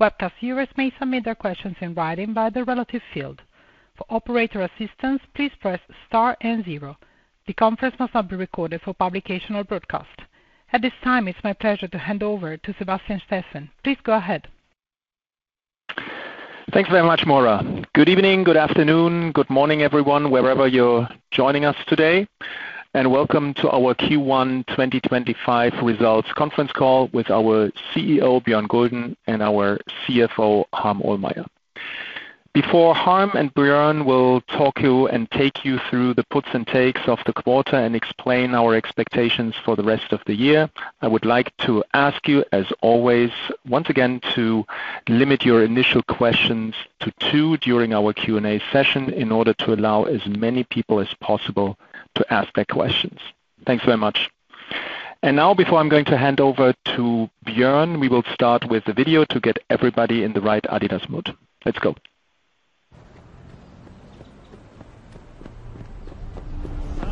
Webcast viewers may submit their questions in writing via the relative field. For operator assistance, please press star and zero. The conference must not be recorded for publication or broadcast. At this time, it's my pleasure to hand over to Sebastian Steffen. Please go ahead. Thanks very much, Maura. Good evening, good afternoon, good morning, everyone, wherever you're joining us today. Welcome to our Q1 2025 results conference call with our CEO, Bjørn Gulden, and our CFO, Harm Ohlmeyer. Before Harm and Bjørn talk you and take you through the puts and takes of the quarter and explain our expectations for the rest of the year, I would like to ask you, as always, once again, to limit your initial questions to two during our Q&A session in order to allow as many people as possible to ask their questions. Thanks very much. Now, before I'm going to hand over to Bjørn, we will start with the video to get everybody in the right adidas mood. Let's go.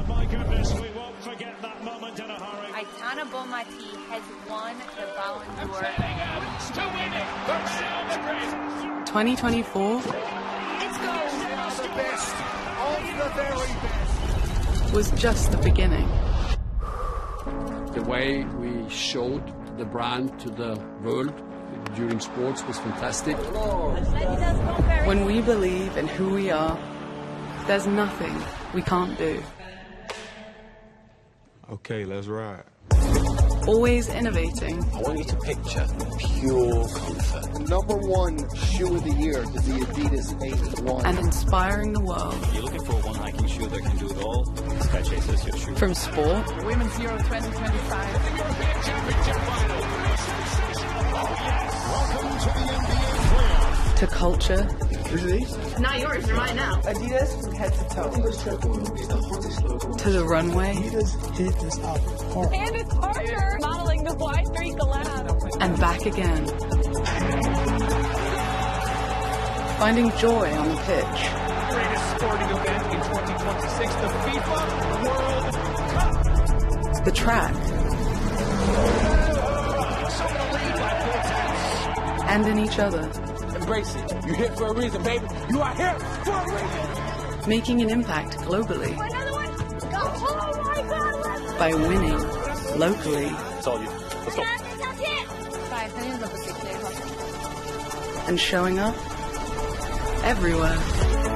My goodness, we won't forget that moment in a hurry. Aitana Bonmatí has won the Ballon d'Or. That's two winning for Ronald McGregor. 2024. Let's go. The best, only the very best. Was just the beginning. The way we showed the brand to the world during sports was fantastic. When we believe in who we are, there's nothing we can't do. Okay, let's ride. Always innovating. I want you to picture pure comfort. Number one shoe of the year to the adidas adidas. Inspiring the world. If you're looking for a one-hiking shoe that can do it all, the Skychaser is your shoe. From sport. Women's Euro 2025. The European Championship final. Sensational. Oh, yes. Welcome to the NBA playoffs. To culture. Who's this? Not yours. You're mine now. Adidas from head to toe. adidas is the hottest logo. To the runway. adidas hit us hard. It's harder. Modeling the Y-3 Galant. Back again. Finding joy on the pitch. Greatest sporting event in 2026, the FIFA World Cup. The track. Soon we're going to lead by four tenths. In each other. Embrace it. You're here for a reason, baby. You are here for a reason. Making an impact globally. Another one. Oh, my God. By winning locally. Told you. Let's go. I'm showing up. Showing up everywhere.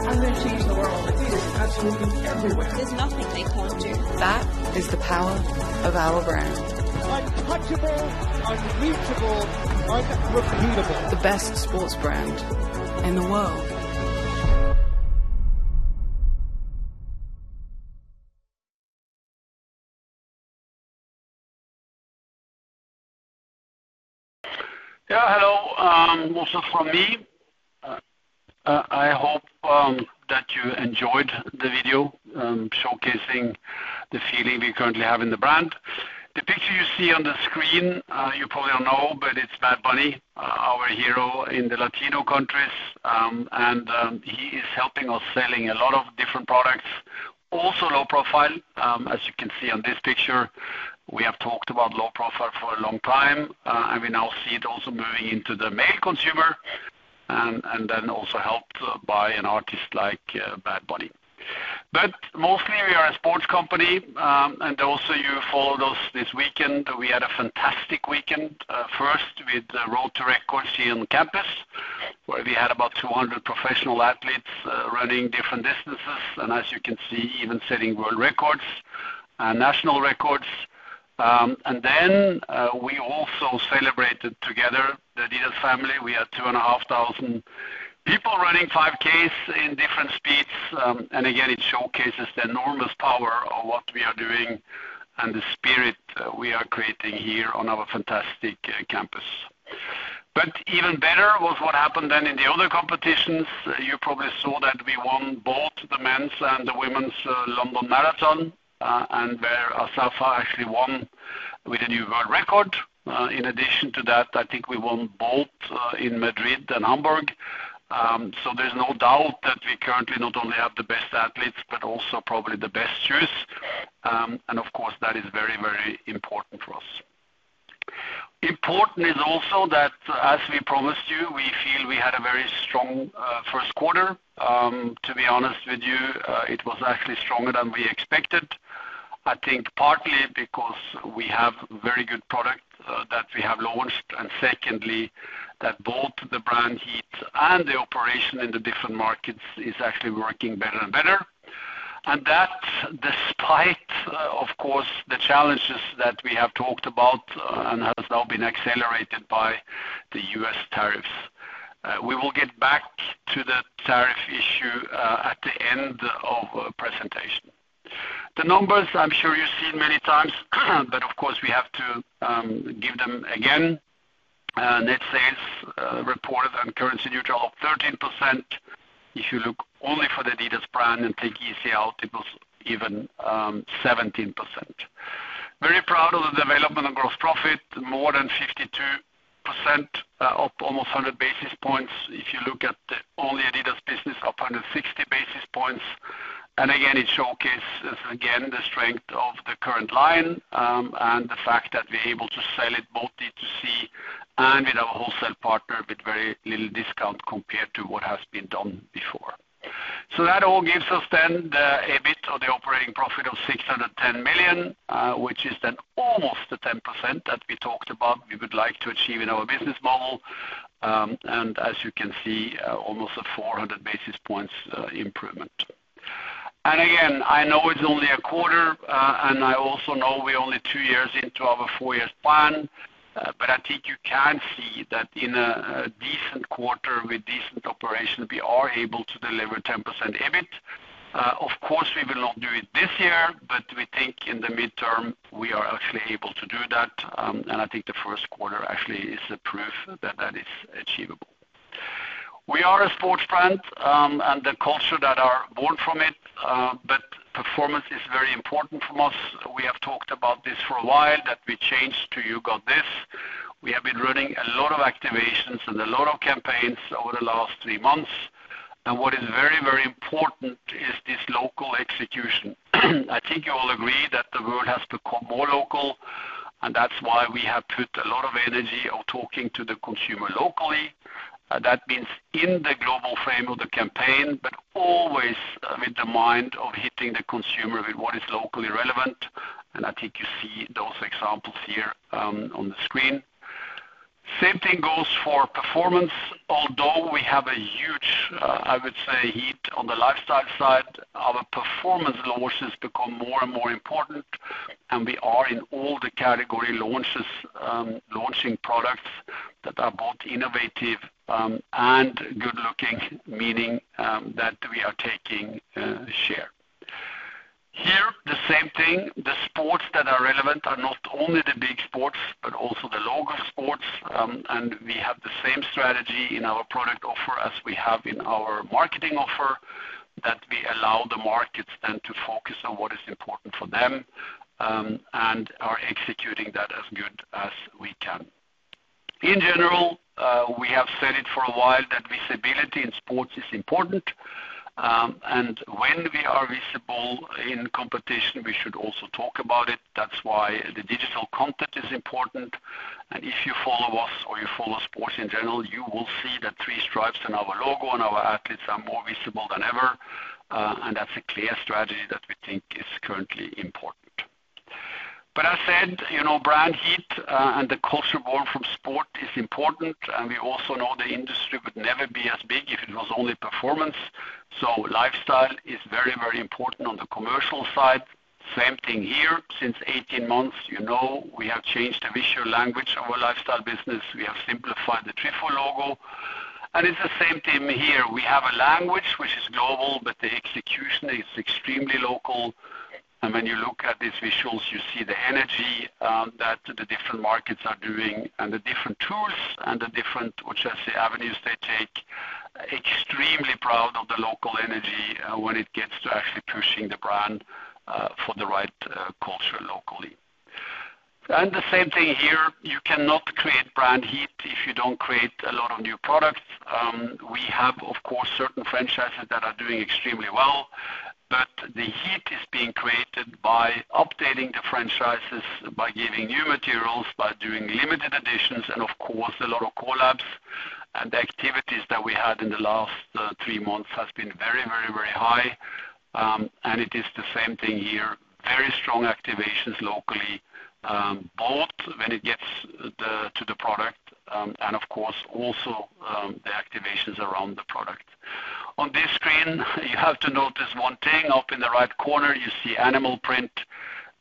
I'm going to change the world. Adidas is absolutely everywhere. There's nothing they can't do. That is the power of our brand. Untouchable, unbeatable, unrepeatable. The best sports brand in the world. Yeah, hello. Also, from me, I hope that you enjoyed the video showcasing the feeling we currently have in the brand. The picture you see on the screen, you probably don't know, but it's Bad Bunny, our hero in the Latino countries. He is helping us selling a lot of different products, also low profile. As you can see on this picture, we have talked about low profile for a long time. We now see it also moving into the male consumer. Also helped by an artist like Bad Bunny. Mostly, we are a sports company. Also, you followed us this weekend. We had a fantastic weekend, first with the Road to Record here on campus, where we had about 200 professional athletes running different distances. As you can see, even setting world records and national records. We also celebrated together, the adidas family. We had two and a half thousand people running 5Ks in different speeds. It showcases the enormous power of what we are doing and the spirit we are creating here on our fantastic campus. Even better was what happened then in the other competitions. You probably saw that we won both the men's and the women's London Marathon. Where Asafa actually won with a new world record. In addition to that, I think we won both in Madrid and Hamburg. There is no doubt that we currently not only have the best athletes, but also probably the best shoes. Of course, that is very, very important for us. Important is also that, as we promised you, we feel we had a very strong first quarter. To be honest with you, it was actually stronger than we expected. I think partly because we have very good product that we have launched. Secondly, both the brand heat and the operation in the different markets is actually working better and better. That is despite, of course, the challenges that we have talked about and has now been accelerated by the US tariffs. We will get back to the tariff issue at the end of the presentation. The numbers, I'm sure you've seen many times, but of course, we have to give them again. Net sales reported on currency neutral of 13%. If you look only for the adidas brand and take ECL, it was even 17%. Very proud of the development of gross profit, more than 52%, up almost 100 basis points. If you look at only adidas business, up 160 basis points. It showcases again the strength of the current line and the fact that we're able to sell it both D2C and with our wholesale partner with very little discount compared to what has been done before. That all gives us then the EBIT or the operating profit of 610 million, which is then almost the 10% that we talked about we would like to achieve in our business model. As you can see, almost a 400 basis points improvement. I know it's only a quarter, and I also know we're only two years into our four-year plan. I think you can see that in a decent quarter with decent operation, we are able to deliver 10% EBIT. Of course, we will not do it this year, but we think in the midterm, we are actually able to do that. I think the first quarter actually is the proof that that is achievable. We are a sports brand, and the culture that are born from it. Performance is very important from us. We have talked about this for a while, that we changed to you got this. We have been running a lot of activations and a lot of campaigns over the last three months. What is very, very important is this local execution. I think you all agree that the world has become more local. That is why we have put a lot of energy on talking to the consumer locally. That means in the global frame of the campaign, but always with the mind of hitting the consumer with what is locally relevant. I think you see those examples here on the screen. Same thing goes for performance. Although we have a huge, I would say, heat on the lifestyle side, our performance launches become more and more important. We are in all the category launches, launching products that are both innovative and good-looking, meaning that we are taking share. Here, the same thing. The sports that are relevant are not only the big sports, but also the local sports. We have the same strategy in our product offer as we have in our marketing offer, that we allow the markets then to focus on what is important for them. We are executing that as good as we can. In general, we have said it for a while that visibility in sports is important. When we are visible in competition, we should also talk about it. That is why the digital content is important. If you follow us or you follow sports in general, you will see that three stripes on our logo and our athletes are more visible than ever. That is a clear strategy that we think is currently important. As I said, brand heat and the culture born from sport is important. We also know the industry would never be as big if it was only performance. Lifestyle is very, very important on the commercial side. Same thing here. Since 18 months, we have changed the visual language of our lifestyle business. We have simplified the trefoil logo. It is the same theme here. We have a language which is global, but the execution is extremely local. When you look at these visuals, you see the energy that the different markets are doing and the different tools and the different, which I say, avenues they take. Extremely proud of the local energy when it gets to actually pushing the brand for the right culture locally. The same thing here. You cannot create brand heat if you do not create a lot of new products. We have, of course, certain franchises that are doing extremely well. The heat is being created by updating the franchises, by giving new materials, by doing limited editions. Of course, a lot of collabs and activities that we had in the last three months has been very, very, very high. It is the same thing here. Very strong activations locally, both when it gets to the product and, of course, also the activations around the product. On this screen, you have to notice one thing. Up in the right corner, you see animal print.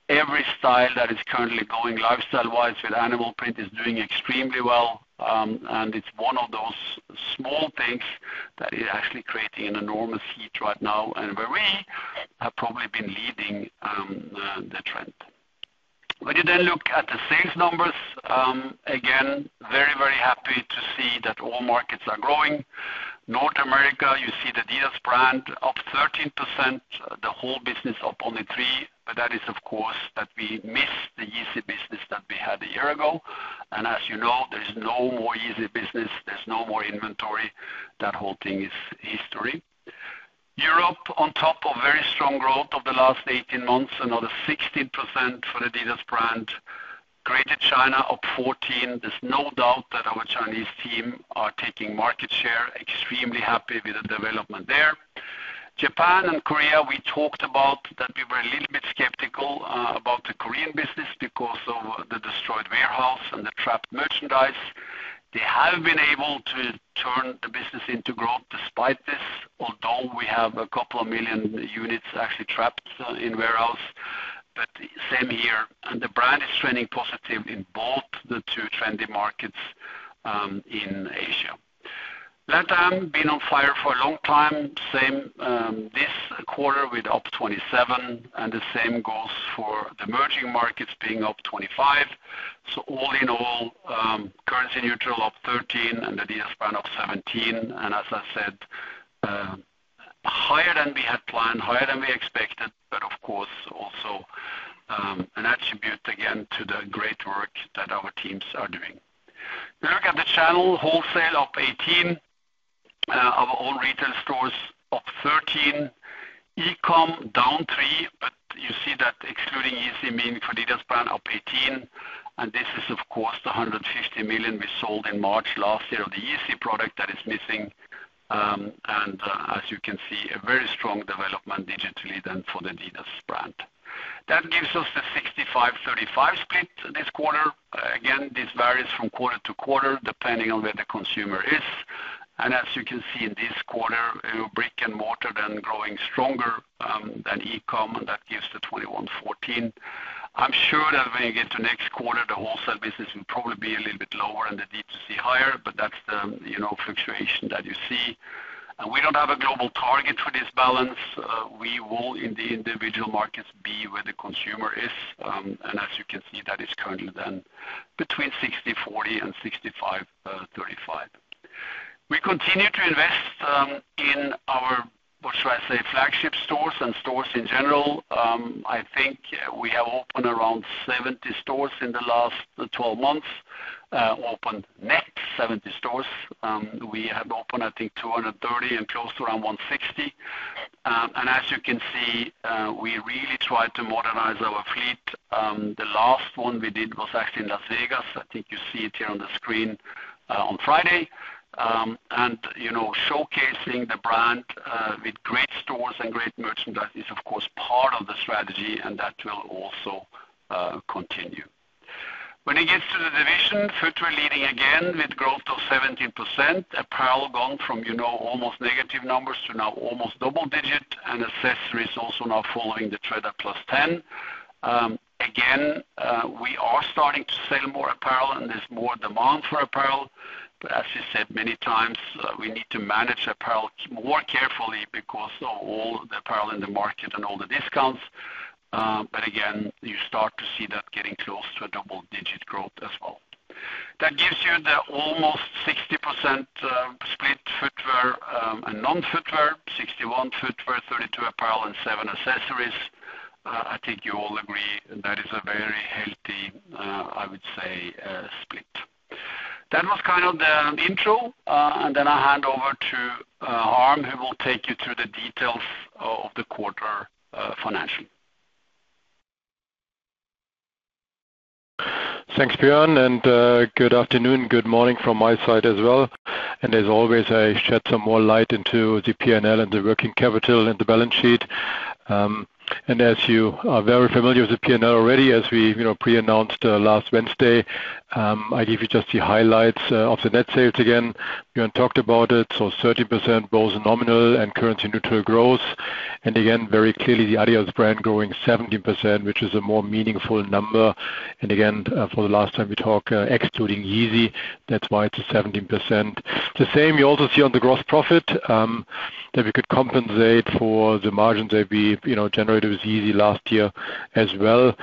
Every style that is currently going lifestyle-wise with animal print is doing extremely well. It is one of those small things that is actually creating enormous heat right now, and where we have probably been leading the trend. When you then look at the sales numbers, again, very, very happy to see that all markets are growing. North America, you see the adidas brand up 13%, the whole business up only 3%. That is, of course, because we miss the Yeezy business that we had a year ago. As you know, there is no more Yeezy business. There is no more inventory. That whole thing is history. Europe, on top of very strong growth of the last 18 months, another 16% for the adidas brand. Greater China up 14%. There is no doubt that our Chinese team are taking market share. Extremely happy with the development there. Japan and Korea, we talked about that we were a little bit skeptical about the Korean business because of the destroyed warehouse and the trapped merchandise. They have been able to turn the business into growth despite this, although we have a couple of million units actually trapped in warehouse. Same here. The brand is trending positive in both the two trendy markets in Asia. LatAm been on fire for a long time. Same this quarter with up 27%. The same goes for the emerging markets being up 25%. All in all, currency neutral up 13% and the adidas brand up 17%. As I said, higher than we had planned, higher than we expected, but of course, also an attribute again to the great work that our teams are doing. We look at the channel wholesale up 18%, our own retail stores up 13%. E-com down three, but you see that excluding Yeezy, meaning for adidas brand up 18. This is, of course, the 150 million we sold in March last year of the Yeezy product that is missing. As you can see, a very strong development digitally then for the adidas brand. That gives us the 65/35 split this quarter. This varies from quarter to quarter depending on where the consumer is. As you can see in this quarter, brick and mortar then growing stronger than e-com, and that gives the 21/14. I'm sure that when you get to next quarter, the wholesale business will probably be a little bit lower and the D2C higher, but that's the fluctuation that you see. We do not have a global target for this balance. We will, in the individual markets, be where the consumer is. As you can see, that is currently then between 60/40 and 65/35. We continue to invest in our, what should I say, flagship stores and stores in general. I think we have opened around 70 stores in the last 12 months. Opened net 70 stores. We have opened, I think, 230 and closed around 160. As you can see, we really tried to modernize our fleet. The last one we did was actually in Las Vegas. I think you see it here on the screen on Friday. Showcasing the brand with great stores and great merchandise is, of course, part of the strategy, and that will also continue. When it gets to the division, Footwear leading again with growth of 17%. Apparel gone from almost negative numbers to now almost double digit, and accessories also now following the trend of plus 10%. Again, we are starting to sell more apparel, and there's more demand for apparel. As you said many times, we need to manage apparel more carefully because of all the apparel in the market and all the discounts. Again, you start to see that getting close to a double digit growth as well. That gives you the almost 60% split Footwear and non-Footwear, 61% Footwear, 32% Apparel, and 7% Accessories. I think you all agree that is a very healthy, I would say, split. That was kind of the intro. I hand over to Harm, who will take you through the details of the quarter financially. Thanks, Bjørn. Good afternoon, good morning from my side as well. As always, I shed some more light into the P&L and the working capital and the balance sheet. As you are very familiar with the P&L already, as we pre-announced last Wednesday, I give you just the highlights of the net sales again. Bjørn talked about it. 30% both nominal and currency neutral growth. Again, very clearly, the adidas brand growing 17%, which is a more meaningful number. Again, for the last time we talk, excluding Yeezy, that's why it's 17%. The same you also see on the gross profit that we could compensate for the margins that we generated with Yeezy last year as well.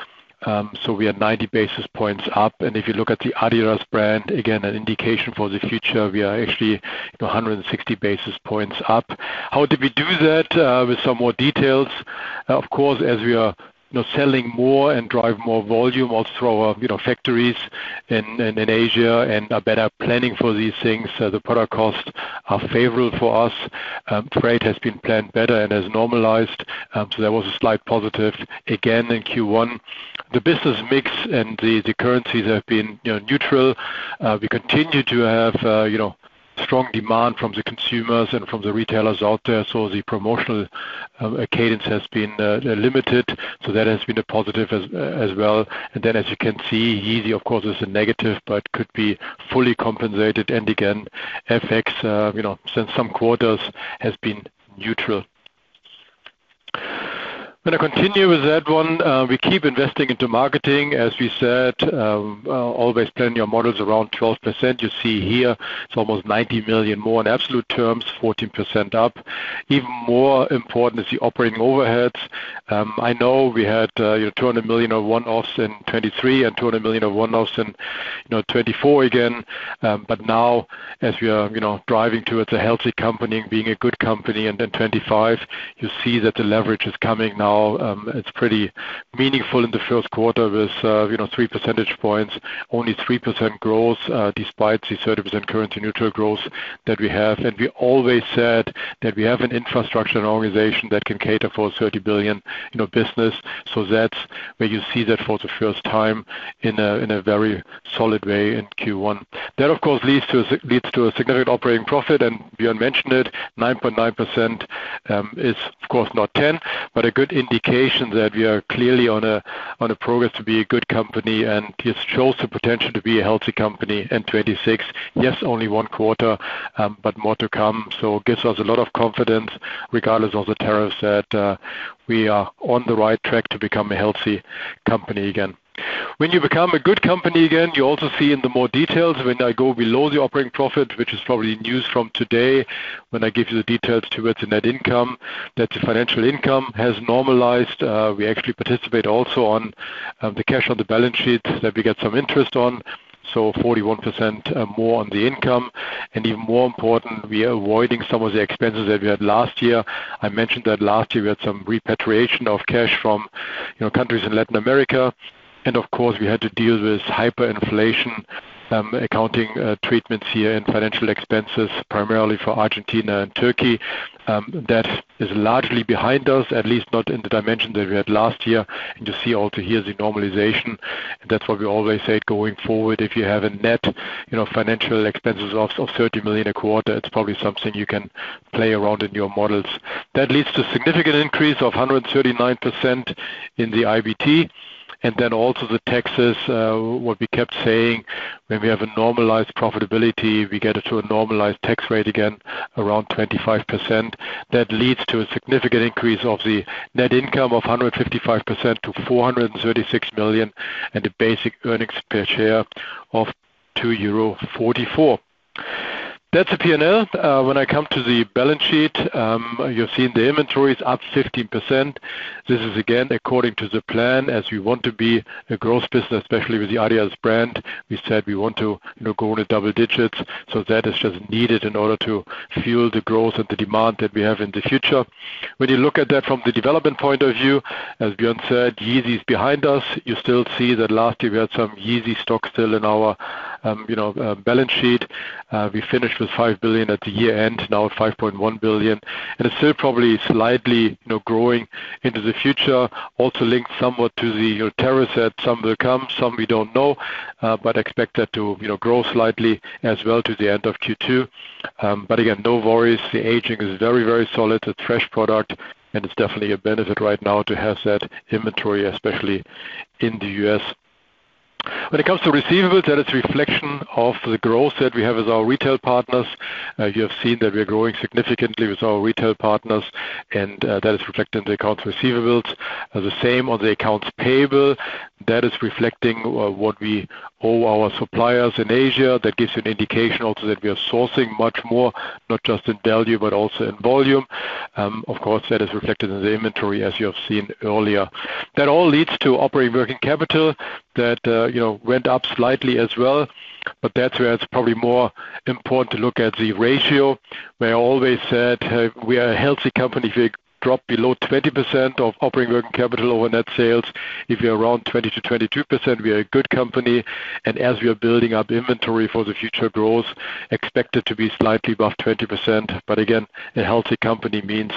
We are 90 basis points up. If you look at the adidas brand, again, an indication for the future, we are actually 160 basis points up. How did we do that with some more details? Of course, as we are selling more and drive more volume, also through our factories in Asia and are better planning for these things, the product costs are favorable for us. Trade has been planned better and has normalized. There was a slight positive again in Q1. The business mix and the currencies have been neutral. We continue to have strong demand from the consumers and from the retailers out there. The promotional cadence has been limited. That has been a positive as well. As you can see, Yeezy, of course, is a negative, but could be fully compensated. Again, FX since some quarters has been neutral. I am going to continue with that one. We keep investing into marketing, as we said. Always plan your models around 12%. You see here, it's almost 90 million more in absolute terms, 14% up. Even more important is the operating overheads. I know we had 200 million of one-offs in 2023 and 200 million of one-offs in 2024 again. Now, as we are driving towards a healthy company and being a good company in 2025, you see that the leverage is coming now. It's pretty meaningful in the first quarter with 3 percentage points, only 3% growth despite the 30% currency neutral growth that we have. We always said that we have an infrastructure and organization that can cater for a 30 billion business. That's where you see that for the first time in a very solid way in Q1. That, of course, leads to a significant operating profit. Bjørn mentioned it, 9.9% is, of course, not 10%, but a good indication that we are clearly on a progress to be a good company. It shows the potential to be a healthy company in 2026. Yes, only one quarter, but more to come. It gives us a lot of confidence regardless of the tariffs that we are on the right track to become a healthy company again. When you become a good company again, you also see in the more details when I go below the operating profit, which is probably news from today when I give you the details towards the net income, that the financial income has normalized. We actually participate also on the cash on the balance sheet that we get some interest on. 41% more on the income. Even more important, we are avoiding some of the expenses that we had last year. I mentioned that last year we had some repatriation of cash from countries in Latin America. Of course, we had to deal with hyperinflation accounting treatments here in financial expenses, primarily for Argentina and Turkey. That is largely behind us, at least not in the dimension that we had last year. You see also here the normalization. That is what we always say going forward. If you have net financial expenses of 30 million a quarter, it is probably something you can play around in your models. That leads to a significant increase of 139% in the IBT. Also, the taxes, what we kept saying, when we have a normalized profitability, we get to a normalized tax rate again around 25%. That leads to a significant increase of the net income of 155% to 436 million and the basic earnings per share of 2.44 euro. That is the P&L. When I come to the balance sheet, you have seen the inventory is up 15%. This is again according to the plan as we want to be a growth business, especially with the adidas brand. We said we want to go in the double digits. That is just needed in order to fuel the growth and the demand that we have in the future. When you look at that from the development point of view, as Bjørn said, Yeezy is behind us. You still see that last year we had some Yeezy stock still in our balance sheet. We finished with 5 billion at the year end, now 5.1 billion. It is still probably slightly growing into the future. Also linked somewhat to the tariffs that some will come, some we do not know, but expect that to grow slightly as well to the end of Q2. No worries. The aging is very, very solid. It is a fresh product. It is definitely a benefit right now to have that inventory, especially in the US. When it comes to receivables, that is a reflection of the growth that we have with our retail partners. You have seen that we are growing significantly with our retail partners, and that is reflected in the accounts receivables. The same on the accounts payable. That is reflecting what we owe our suppliers in Asia. That gives you an indication also that we are sourcing much more, not just in value, but also in volume. Of course, that is reflected in the inventory, as you have seen earlier. That all leads to operating working capital that went up slightly as well. That is where it is probably more important to look at the ratio. We always said we are a healthy company. If we drop below 20% of operating working capital over net sales, if we are around 20%-22%, we are a good company. As we are building up inventory for the future growth, expected to be slightly above 20%. Again, a healthy company means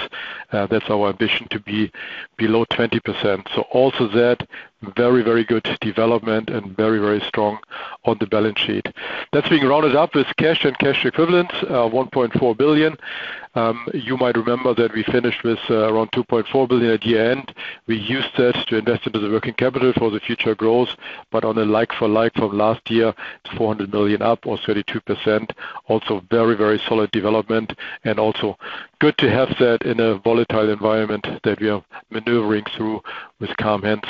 that is our ambition to be below 20%. Also that, very, very good development and very, very strong on the balance sheet. That is being rounded up with cash and cash equivalents, 1.4 billion. You might remember that we finished with around 2.4 billion at year end. We used that to invest into the working capital for the future growth. On a like-for-like from last year, it's 400 million up, or 32%. Also very, very solid development. Also good to have that in a volatile environment that we are maneuvering through with calm hands.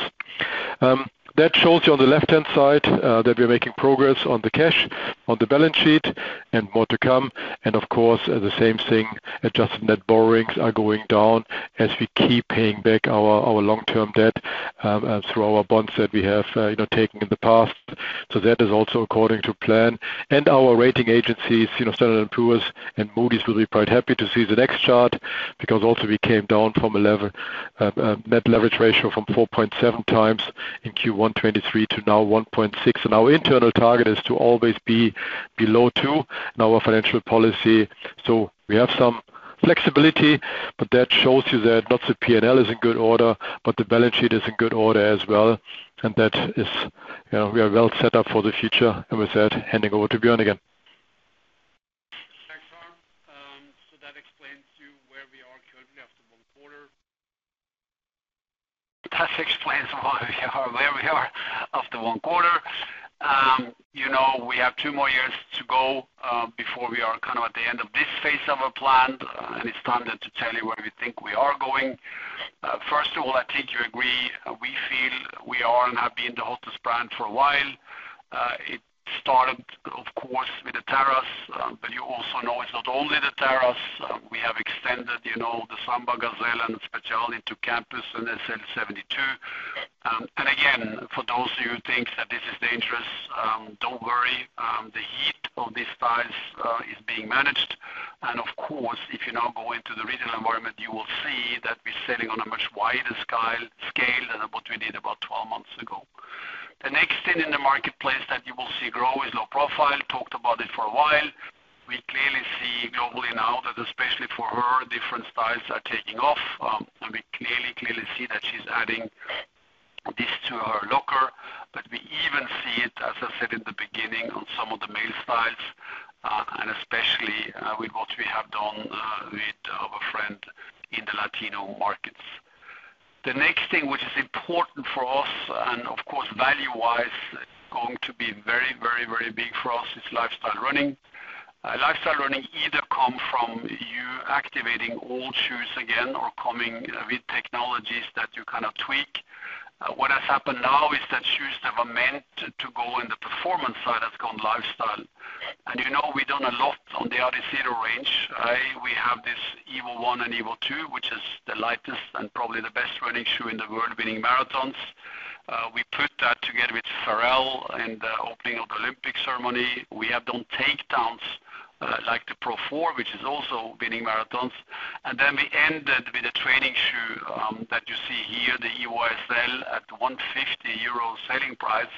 That shows you on the left-hand side that we are making progress on the cash, on the balance sheet, and more to come. Of course, the same thing, adjusted net borrowings are going down as we keep paying back our long-term debt through our bonds that we have taken in the past. That is also according to plan. Our rating agencies, Standard & Poor's and Moody's, will be quite happy to see the next chart because also we came down from a net leverage ratio from 4.7x in Q1 2023 to now 1.6x. Our internal target is to always be below 2x in our financial policy. We have some flexibility, but that shows you that not the P&L is in good order, but the balance sheet is in good order as well. That is, we are well set up for the future. With that, handing over to Bjørn again. Thanks, Harm. That explains to you where we are currently after one quarter. That explains where we are after one quarter. You know we have two more years to go before we are kind of at the end of this phase of our plan, and it's time to tell you where we think we are going. First of all, I think you agree. We feel we are and have been the hottest brand for a while. It started, of course, with the tariffs, but you also know it's not only the tariffs. We have extended the Samba, Gazelle, and the Spezial to Campus and SL 72. Again, for those of you who think that this is dangerous, don't worry. The heat of these ties is being managed. Of course, if you now go into the regional environment, you will see that we're selling on a much wider scale than what we did about 12 months ago. The next thing in the marketplace that you will see grow is low profile. Talked about it for a while. We clearly see globally now that, especially for her, different styles are taking off. We clearly, clearly see that she is adding this to her locker. We even see it, as I said in the beginning, on some of the male styles, especially with what we have done with our friend in the Latino markets. The next thing which is important for us, and of course, value-wise, going to be very, very, very big for us is lifestyle running. Lifestyle running either comes from you activating old shoes again or coming with technologies that you kind of tweak. What has happened now is that shoes that were meant to go in the performance side have gone lifestyle. You know we've done a lot on the adidas Adizero range. We have this Evo 1 and Evo 2, which is the lightest and probably the best running shoe in the world, winning marathons. We put that together with Pharrell in the opening of the Olympic ceremony. We have done takedowns like the Pro 4, which is also winning marathons. We ended with a training shoe that you see here, the Evo SL at 150 euro selling price.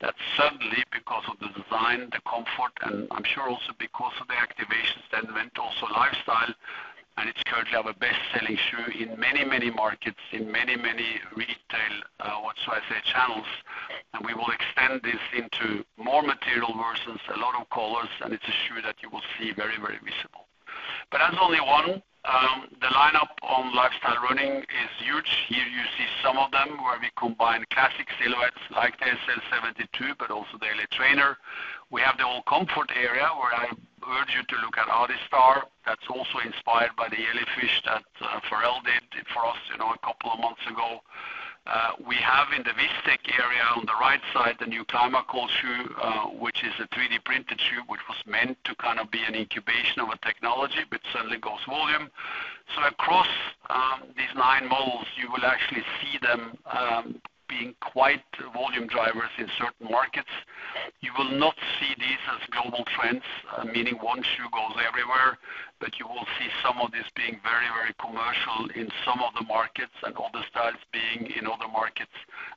That's certainly because of the design, the comfort, and I'm sure also because of the activations that went also lifestyle. It's currently our best-selling shoe in many, many markets, in many, many retail, what shall I say, channels. We will extend this into more material versions, a lot of colors, and it's a shoe that you will see very, very visible. That's only one. The lineup on lifestyle running is huge. Here you see some of them where we combine classic silhouettes like the SL 72, but also the Elite Trainer. We have the all-comfort area where I urge you to look at Adistar. That's also inspired by the Elefish that Pharrell did for us a couple of months ago. We have in the Vistex area on the right side the new Climacool shoe, which is a 3D-printed shoe, which was meant to kind of be an incubation of a technology, but certainly goes volume. Across these nine models, you will actually see them being quite volume drivers in certain markets. You will not see these as global trends, meaning one shoe goes everywhere, but you will see some of these being very, very commercial in some of the markets and other styles being in other markets.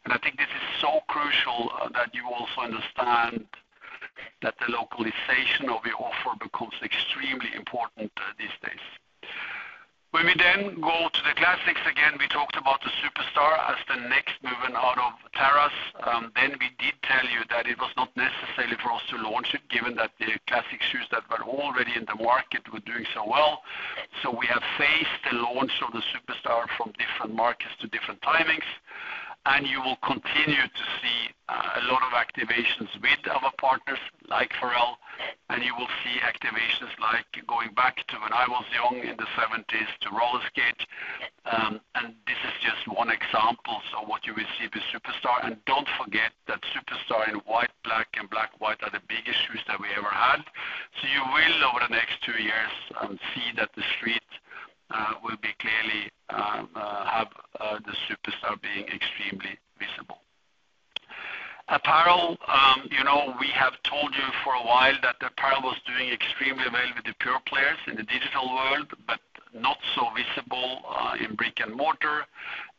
I think this is so crucial that you also understand that the localization of your offer becomes extremely important these days. When we then go to the classics again, we talked about the Superstar as the next movement out of tariffs. We did tell you that it was not necessary for us to launch it, given that the classic shoes that were already in the market were doing so well. We have phased the launch of the Superstar from different markets to different timings. You will continue to see a lot of activations with our partners like Pharrell. You will see activations like going back to when I was young in the 1970s to roller skate. This is just one example of what you will see with Superstar. Do not forget that Superstar in white, black, and black-white are the biggest shoes that we ever had. You will, over the next two years, see that the street will clearly have the Superstar being extremely visible. Apparel, you know we have told you for a while that Apparel was doing extremely well with the pure players in the digital world, but not so visible in brick and mortar.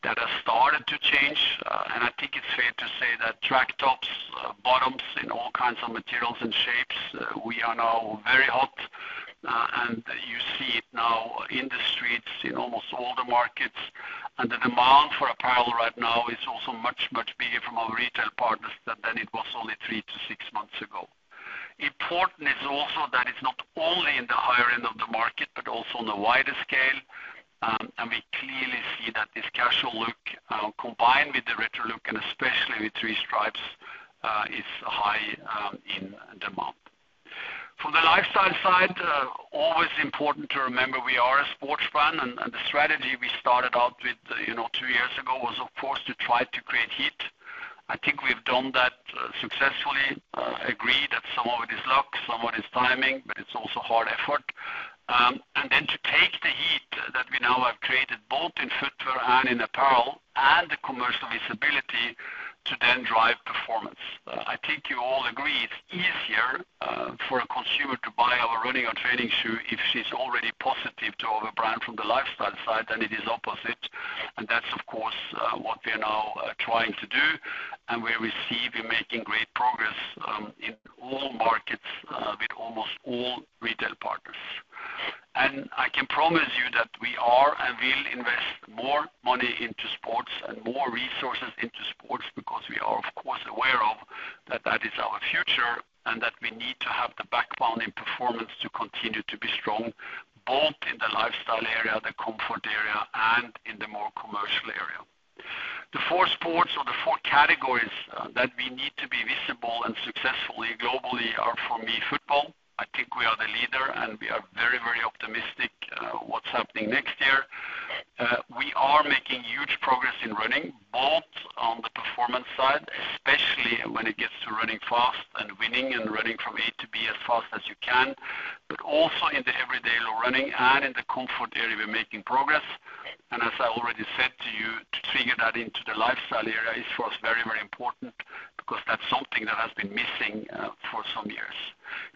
That has started to change. I think it is fair to say that track tops, bottoms, and all kinds of materials and shapes, we are now very hot. You see it now in the streets, in almost all the markets. The demand for Apparel right now is also much, much bigger from our retail partners than it was only three to six months ago. Important is also that it's not only in the higher end of the market, but also on a wider scale. We clearly see that this casual look, combined with the retro look, and especially with three stripes, is high in demand. From the lifestyle side, always important to remember we are a sports brand. The strategy we started out with two years ago was, of course, to try to create heat. I think we've done that successfully. Agree that some of it is luck, some of it is timing, but it's also hard effort. To take the heat that we now have created both in footwear and in Apparel and the commercial visibility to then drive performance. I think you all agree it's easier for a consumer to buy our running or training shoe if she's already positive to our brand from the lifestyle side than it is opposite. That is, of course, what we are now trying to do. We are making great progress in all markets with almost all retail partners. I can promise you that we are and will invest more money into sports and more resources into sports because we are, of course, aware that that is our future and that we need to have the backbone in performance to continue to be strong both in the lifestyle area, the comfort area, and in the more commercial area. The four sports or the four categories that we need to be visible and successful globally are, for me, football. I think we are the leader, and we are very, very optimistic what's happening next year. We are making huge progress in running, both on the performance side, especially when it gets to running fast and winning and running from A to B as fast as you can, but also in the everyday low running and in the comfort area, we're making progress. As I already said to you, to trigger that into the lifestyle area is for us very, very important because that's something that has been missing for some years.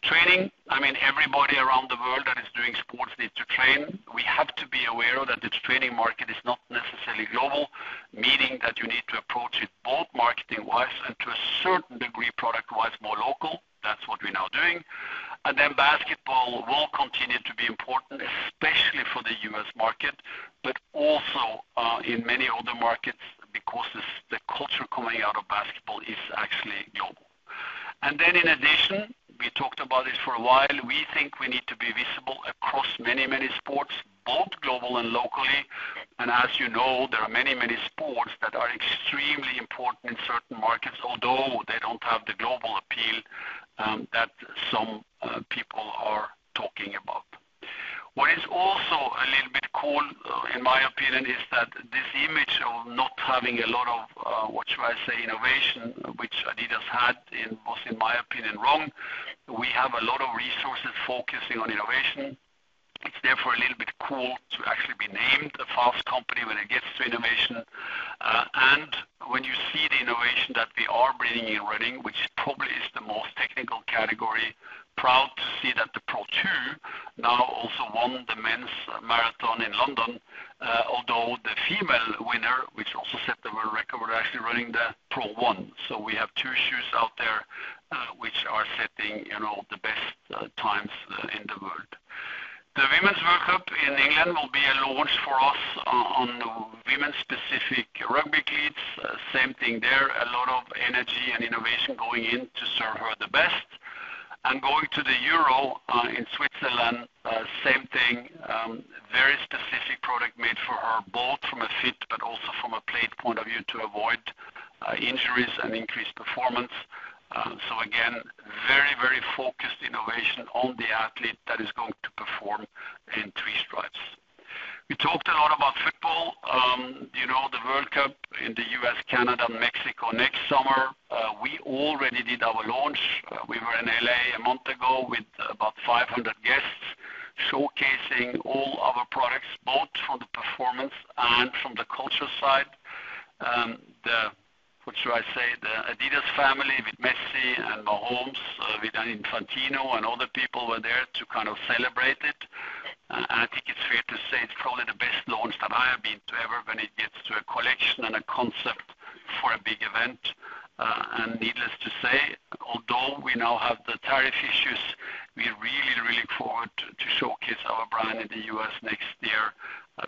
Training, I mean, everybody around the world that is doing sports needs to train. We have to be aware that the training market is not necessarily global, meaning that you need to approach it both marketing-wise and to a certain degree product-wise more local. That's what we're now doing. Basketball will continue to be important, especially for the U.S. market, but also in many other markets because the culture coming out of basketball is actually global. In addition, we talked about this for a while, we think we need to be visible across many, many sports, both global and locally. As you know, there are many, many sports that are extremely important in certain markets, although they do not have the global appeal that some people are talking about. What is also a little bit cool, in my opinion, is that this image of not having a lot of, what shall I say, innovation, which adidas had was, in my opinion, wrong. We have a lot of resources focusing on innovation. It is therefore a little bit cool to actually be named a fast company when it gets to innovation. When you see the innovation that we are bringing in running, which probably is the most technical category, proud to see that the Pro 2 now also won the men's marathon in London, although the female winner, which also set the world record, was actually running the Pro 1. We have two shoes out there which are setting the best times in the world. The women's World Cup in England will be a launch for us on women's-specific rugby cleats. Same thing there, a lot of energy and innovation going in to serve her the best. Going to the Euro in Switzerland, same thing, very specific product made for her, both from a fit but also from a plate point of view to avoid injuries and increased performance. Again, very, very focused innovation on the athlete that is going to perform in three stripes. We talked a lot about football. You know the World Cup in the U.S., Canada, and Mexico next summer. We already did our launch. We were in L.A. a month ago with about 500 guests, showcasing all our products, both from the performance and from the culture side. What shall I say? The adidas family with Messi and Mahomes with an Infantino and other people were there to kind of celebrate it. I think it's fair to say it's probably the best launch that I have been to ever when it gets to a collection and a concept for a big event. Needless to say, although we now have the tariff issues, we're really, really forward to showcase our brand in the U.S. next year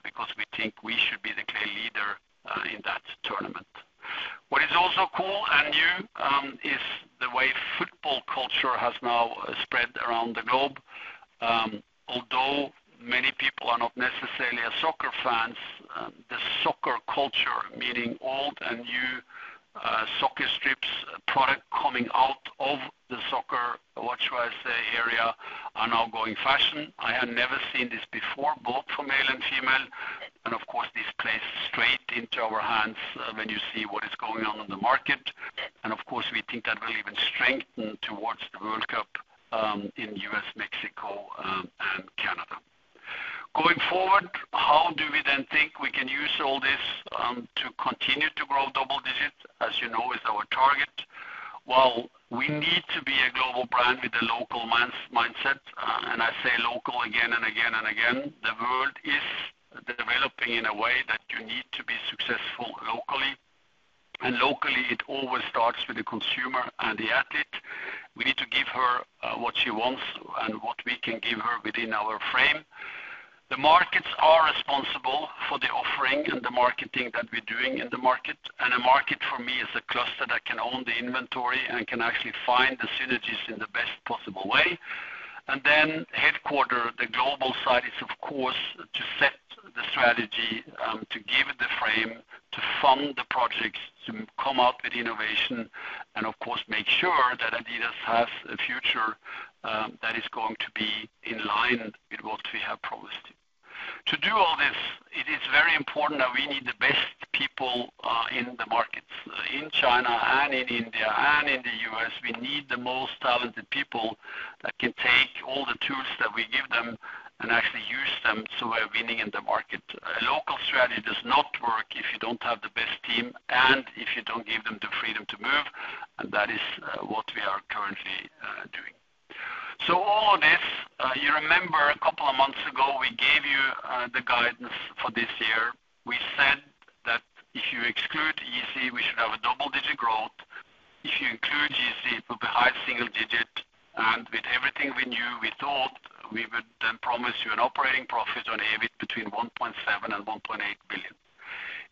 because we think we should be the clear leader in that tournament. What is also cool and new is the way football culture has now spread around the globe. Although many people are not necessarily soccer fans, the soccer culture, meaning old and new soccer strips, product coming out of the soccer, what shall I say, area are now going fashion. I have never seen this before, both for male and female. Of course, this plays straight into our hands when you see what is going on in the market. Of course, we think that will even strengthen towards the World Cup in the U.S., Mexico, and Canada. Going forward, how do we then think we can use all this to continue to grow double digits, as you know is our target? We need to be a global brand with a local mindset. I say local again and again and again. The world is developing in a way that you need to be successful locally. Locally, it always starts with the consumer and the athlete. We need to give her what she wants and what we can give her within our frame. The markets are responsible for the offering and the marketing that we're doing in the market. A market, for me, is a cluster that can own the inventory and can actually find the synergies in the best possible way. Headquarter, the global side is, of course, to set the strategy, to give the frame, to fund the projects, to come out with innovation, and of course, make sure that adidas has a future that is going to be in line with what we have promised. To do all this, it is very important that we need the best people in the markets. In China and in India and in the U.S., we need the most talented people that can take all the tools that we give them and actually use them so we're winning in the market. A local strategy does not work if you do not have the best team and if you do not give them the freedom to move. That is what we are currently doing. All of this, you remember a couple of months ago, we gave you the guidance for this year. We said that if you exclude Yeezy, we should have a double-digit growth. If you include Yeezy, it will be a high single digit. With everything we knew, we thought we would then promise you an operating profit on EBIT between 1.7 billion and 1.8 billion.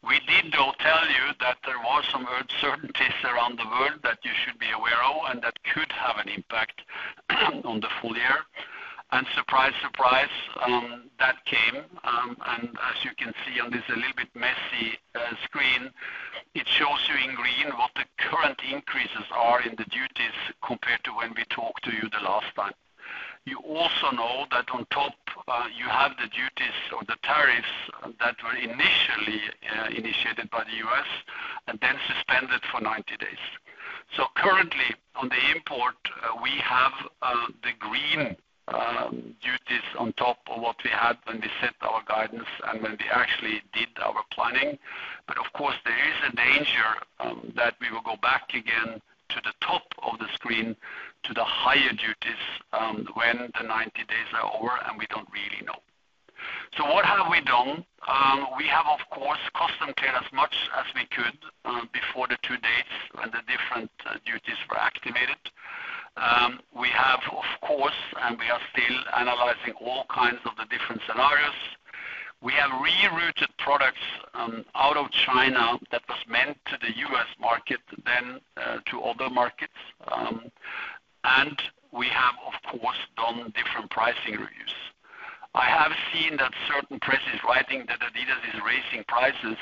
We did, though, tell you that there were some uncertainties around the world that you should be aware of and that could have an impact on the full year. Surprise, surprise, that came. As you can see on this a little bit messy screen, it shows you in green what the current increases are in the duties compared to when we talked to you the last time. You also know that on top, you have the duties or the tariffs that were initially initiated by the U.S. and then suspended for 90 days. Currently, on the import, we have the green duties on top of what we had when we set our guidance and when we actually did our planning. Of course, there is a danger that we will go back again to the top of the screen to the higher duties when the 90 days are over and we do not really know. What have we done? We have, of course, custom cleared as much as we could before the two dates when the different duties were activated. We have, of course, and we are still analyzing all kinds of the different scenarios. We have rerouted products out of China that were meant for the U.S. market, then to other markets. We have, of course, done different pricing reviews. I have seen that certain presses are writing that adidas is raising prices.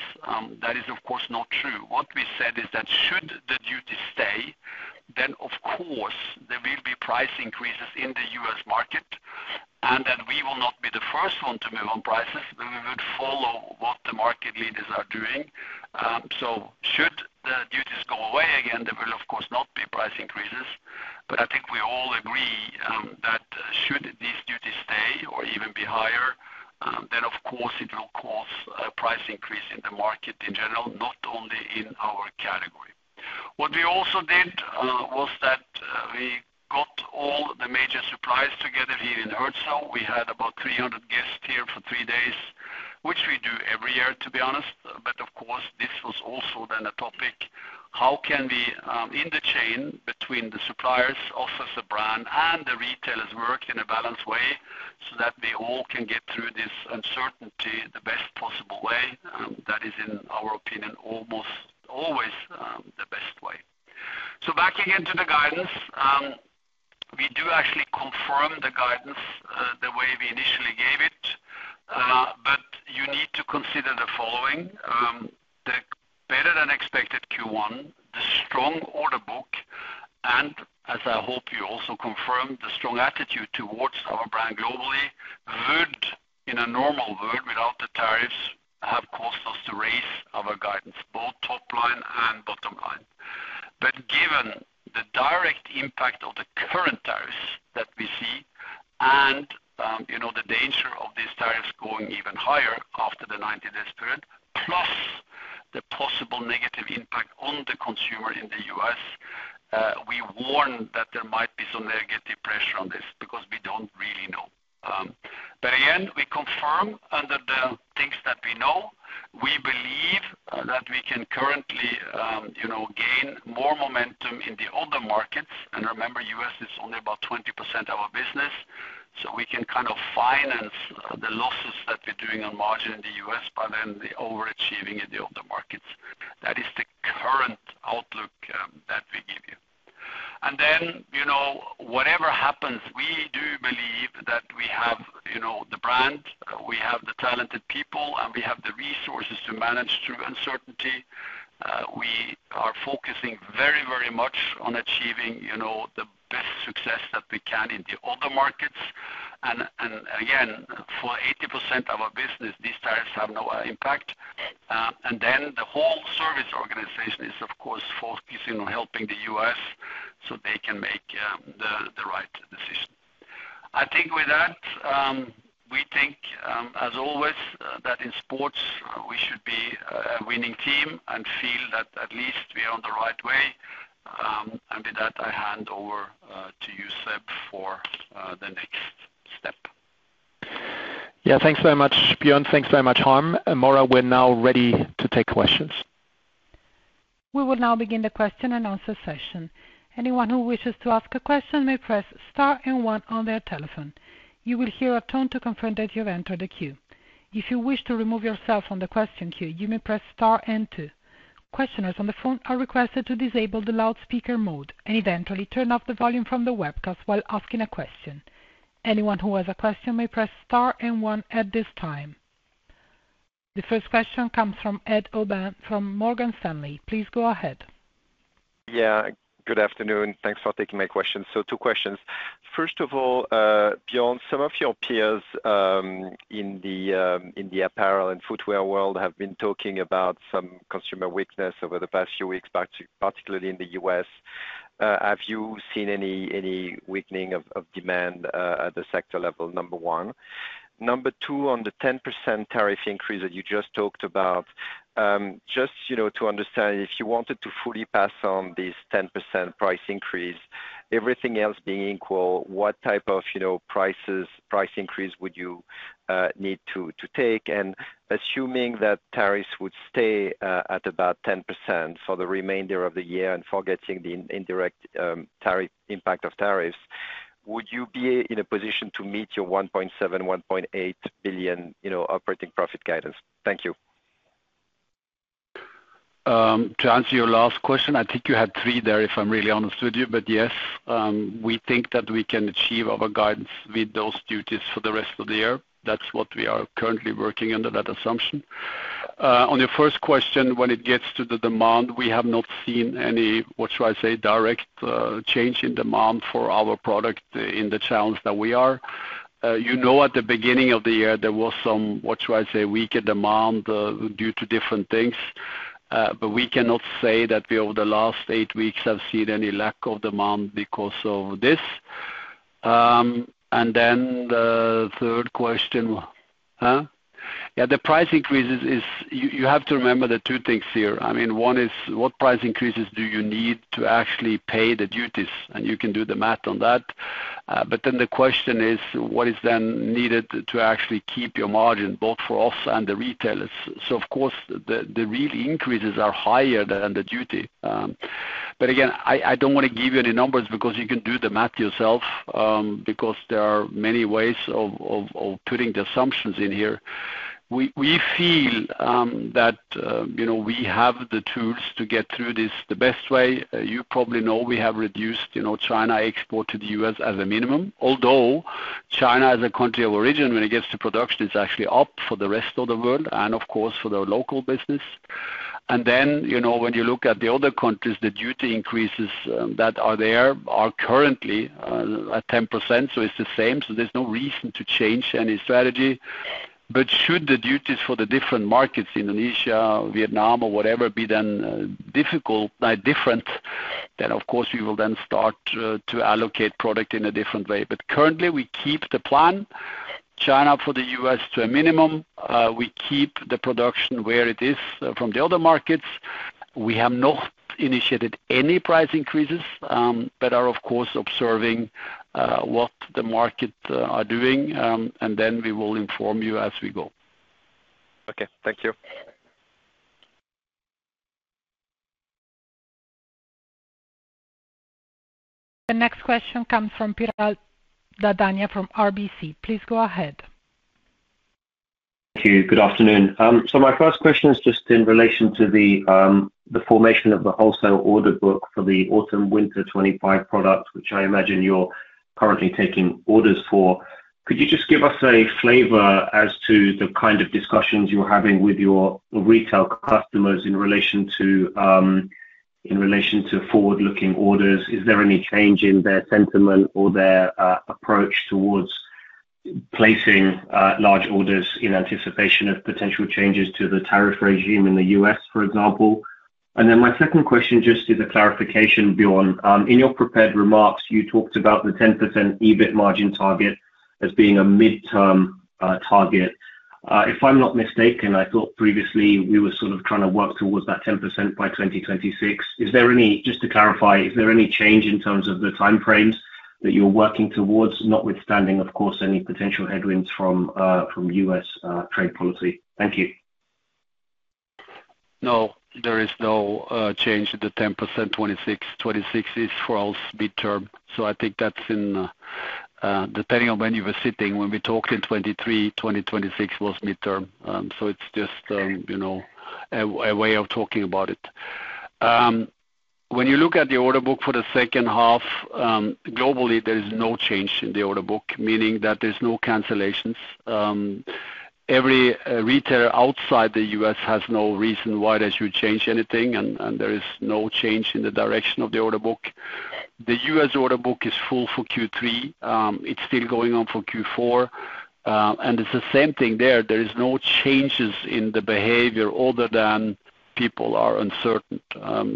That is, of course, not true. What we said is that should the duties stay, then, of course, there will be price increases in the U.S. market. We will not be the first one to move on prices, but we would follow what the market leaders are doing. Should the duties go away again, there will, of course, not be price increases. I think we all agree that should these duties stay or even be higher, then, of course, it will cause a price increase in the market in general, not only in our category. What we also did was that we got all the major suppliers together here in Herzogenaurach. We had about 300 guests here for three days, which we do every year, to be honest. Of course, this was also then a topic. How can we, in the chain between the suppliers, us as a brand, and the retailers work in a balanced way so that we all can get through this uncertainty the best possible way? That is, in our opinion, almost always the best way. Back again to the guidance. We do actually confirm the guidance the way we initially gave it. You need to consider the following: the better-than-expected Q1, the strong order book, and, as I hope you also confirm, the strong attitude towards our brand globally would, in a normal world without the tariffs, have caused us to raise our guidance, both top line and bottom line. Given the direct impact of the current tariffs that we see and the danger of these tariffs going even higher after the 90-day period, plus the possible negative impact on the consumer in the U.S., we warn that there might be some negative pressure on this because we do not really know. Again, we confirm under the things that we know. We believe that we can currently gain more momentum in the other markets. Remember, U.S. is only about 20% of our business. We can kind of finance the losses that we're doing on margin in the U.S. by then overachieving in the other markets. That is the current outlook that we give you. Whatever happens, we do believe that we have the brand, we have the talented people, and we have the resources to manage through uncertainty. We are focusing very, very much on achieving the best success that we can in the other markets. For 80% of our business, these tariffs have no impact. The whole service organization is, of course, focusing on helping the U.S. so they can make the right decision. I think with that, we think, as always, that in sports we should be a winning team and feel that at least we are on the right way. With that, I hand over to you, Seb, for the next step. Yeah, thanks very much, Bjørn. Thanks very much, Harm. Maura, we are now ready to take questions. We will now begin the question and answer session. Anyone who wishes to ask a question may press star and one on their telephone. You will hear a tone to confirm that you have entered a queue. If you wish to remove yourself from the question queue, you may press star and two. Questioners on the phone are requested to disable the loudspeaker mode and eventually turn off the volume from the webcast while asking a question. Anyone who has a question may press star and one at this time. The first question comes from Edouard Aubin from Morgan Stanley. Please go ahead. Yeah, good afternoon. Thanks for taking my question. Two questions. First of all, Bjørn, some of your peers in the apparel and footwear world have been talking about some consumer weakness over the past few weeks, particularly in the U.S. Have you seen any weakening of demand at the sector level? Number one. Number two, on the 10% tariff increase that you just talked about, just to understand, if you wanted to fully pass on this 10% price increase, everything else being equal, what type of price increase would you need to take? Assuming that tariffs would stay at about 10% for the remainder of the year and forgetting the indirect impact of tariffs, would you be in a position to meet your 1.7 billion- 1.8 billion operating profit guidance? Thank you. To answer your last question, I think you had three there, if I'm really honest with you. Yes, we think that we can achieve our guidance with those duties for the rest of the year. That is what we are currently working under that assumption. On your first question, when it gets to the demand, we have not seen any, what shall I say, direct change in demand for our product in the challenge that we are. You know at the beginning of the year, there was some, what shall I say, weaker demand due to different things. We cannot say that we over the last eight weeks have seen any lack of demand because of this. The third question, huh? Yeah, the price increases is you have to remember the two things here. I mean, one is what price increases do you need to actually pay the duties? You can do the math on that. The question is, what is then needed to actually keep your margin, both for us and the retailers? Of course, the real increases are higher than the duty. Again, I don't want to give you any numbers because you can do the math yourself because there are many ways of putting the assumptions in here. We feel that we have the tools to get through this the best way. You probably know we have reduced China export to the U.S. as a minimum, although China, as a country of origin, when it gets to production, is actually up for the rest of the world and, of course, for the local business. When you look at the other countries, the duty increases that are there are currently at 10%. It is the same. There is no reason to change any strategy. Should the duties for the different markets, Indonesia, Vietnam, or whatever, be then different? Of course, we will then start to allocate product in a different way. Currently, we keep the plan, China for the U.S. to a minimum. We keep the production where it is from the other markets. We have not initiated any price increases but are, of course, observing what the markets are doing. We will inform you as we go. Thank you. The next question comes from Piral Dadhania from RBC. Please go ahead. Thank you. Good afternoon. My first question is just in relation to the formation of the wholesale order book for the autumn/winter 2025 product, which I imagine you're currently taking orders for. Could you just give us a flavor as to the kind of discussions you're having with your retail customers in relation to forward-looking orders? Is there any change in their sentiment or their approach towards placing large orders in anticipation of potential changes to the tariff regime in the U.S., for example? My second question just is a clarification, Bjørn. In your prepared remarks, you talked about the 10% EBIT margin target as being a midterm target. If I'm not mistaken, I thought previously we were sort of trying to work towards that 10% by 2026. Just to clarify, is there any change in terms of the time frames that you're working towards, notwithstanding, of course, any potential headwinds from U.S. trade policy? Thank you. No, there is no change in the 10% 2026. 2026 is for us midterm. I think that's in depending on when you were sitting. When we talked in 2023, 2026 was midterm. It's just a way of talking about it. When you look at the order book for the second half, globally, there is no change in the order book, meaning that there's no cancellations. Every retailer outside the U.S. has no reason why they should change anything. There is no change in the direction of the order book. The U.S. order book is full for Q3. It's still going on for Q4. It's the same thing there. There are no changes in the behavior other than people are uncertain,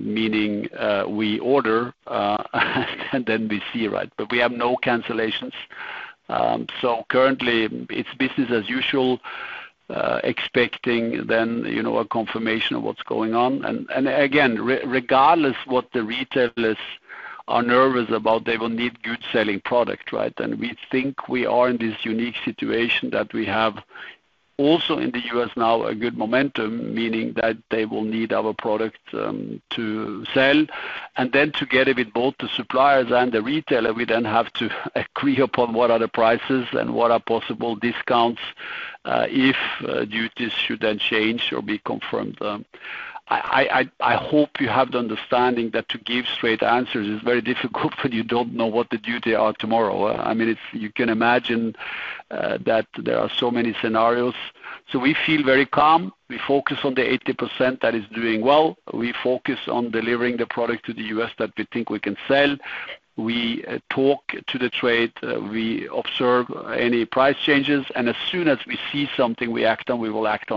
meaning we order and then we see, right? We have no cancellations. Currently, it is business as usual, expecting then a confirmation of what is going on. Again, regardless of what the retailers are nervous about, they will need good-selling product, right? We think we are in this unique situation that we have also in the U.S. now a good momentum, meaning that they will need our product to sell. Together with both the suppliers and the retailer, we then have to agree upon what are the prices and what are possible discounts if duties should then change or be confirmed. I hope you have the understanding that to give straight answers is very difficult when you do not know what the duties are tomorrow. I mean, you can imagine that there are so many scenarios. We feel very calm. We focus on the 80% that is doing well. We focus on delivering the product to the US that we think we can sell. We talk to the trade. We observe any price changes. As soon as we see something, we act on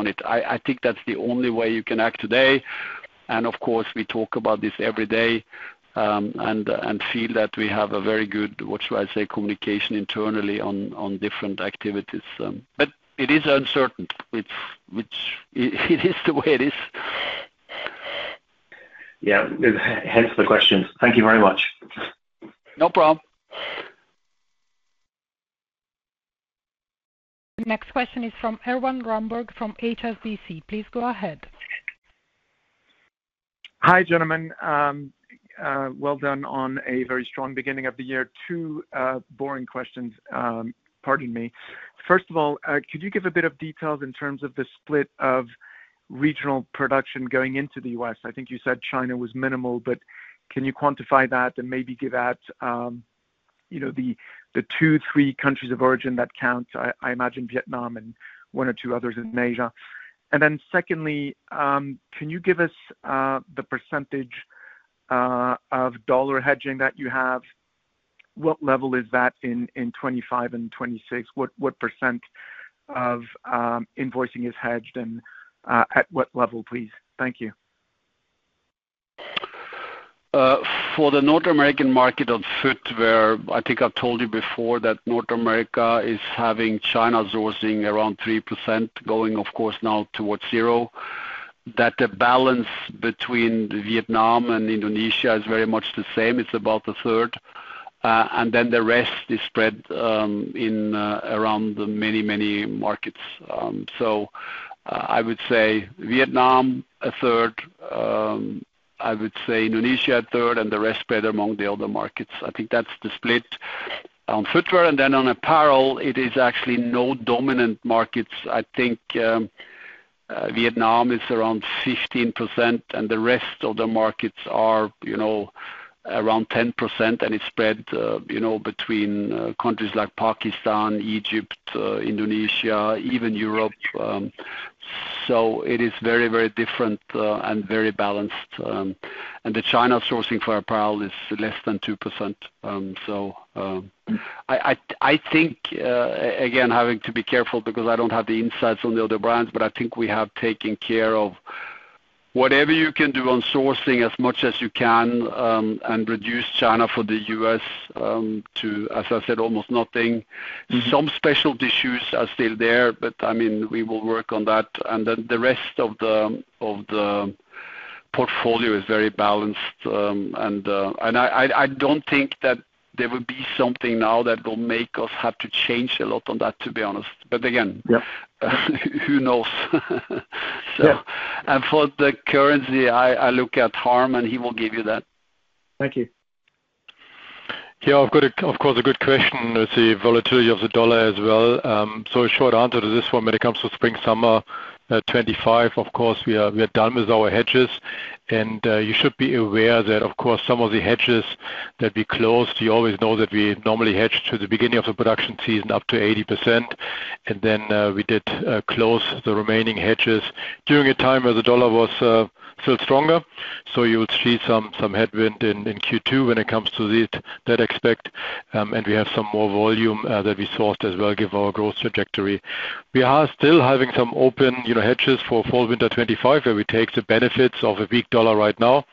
it. I think that's the only way you can act today. Of course, we talk about this every day and feel that we have a very good, what shall I say, communication internally on different activities. It is uncertain, which it is the way it is. Yeah. Hence the questions. Thank you very much. No problem. The next question is from Erwan Rambourg from HSBC. Please go ahead. Hi, gentlemen. Well done on a very strong beginning of the year. Two boring questions. Pardon me. First of all, could you give a bit of details in terms of the split of regional production going into the U.S.? I think you said China was minimal, but can you quantify that and maybe give out the two, three countries of origin that count? I imagine Vietnam and one or two others in Asia. Secondly, can you give us the percentage of dollar hedging that you have? What level is that in 2025 and 2026? What percent of invoicing is hedged and at what level, please? Thank you. For the North American market on footwear, I think I've told you before that North America is having China sourcing around 3%, going, of course, now towards zero. The balance between Vietnam and Indonesia is very much the same. It's about a third. The rest is spread around many, many markets. I would say Vietnam, a third. I would say Indonesia, a third, and the rest spread among the other markets. I think that's the split on footwear. Then on apparel, it is actually no dominant markets. I think Vietnam is around 15%, and the rest of the markets are around 10%, and it's spread between countries like Pakistan, Egypt, Indonesia, even Europe. It is very, very different and very balanced. The China sourcing for apparel is less than 2%. I think, again, having to be careful because I don't have the insights on the other brands, but I think we have taken care of whatever you can do on sourcing as much as you can and reduce China for the U.S. to, as I said, almost nothing. Some special tissues are still there, but I mean, we will work on that. The rest of the portfolio is very balanced. I do not think that there will be something now that will make us have to change a lot on that, to be honest. Who knows? For the currency, I look at Harm, and he will give you that. Thank you. Yeah, of course, a good question with the volatility of the dollar as well. A short answer to this one, when it comes to spring/summer 2025, we are done with our hedges. You should be aware that some of the hedges that we closed, you always know that we normally hedge to the beginning of the production season up to 80%. We did close the remaining hedges during a time where the dollar was still stronger. You will see some headwind in Q2 when it comes to that aspect. We have some more volume that we sourced as well, given our growth trajectory. We are still having some open hedges for fall/winter 2025, where we take the benefits of a weak dollar right now.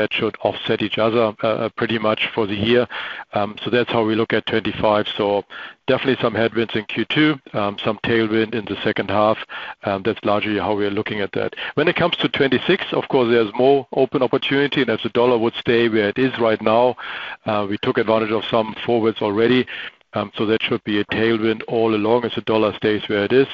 That should offset each other pretty much for the year. That is how we look at 2025. Definitely some headwinds in Q2, some tailwind in the second half. That is largely how we are looking at that. When it comes to 2026, of course, there is more open opportunity. If the dollar would stay where it is right now, we took advantage of some forwards already. That should be a tailwind all along as the dollar stays where it is.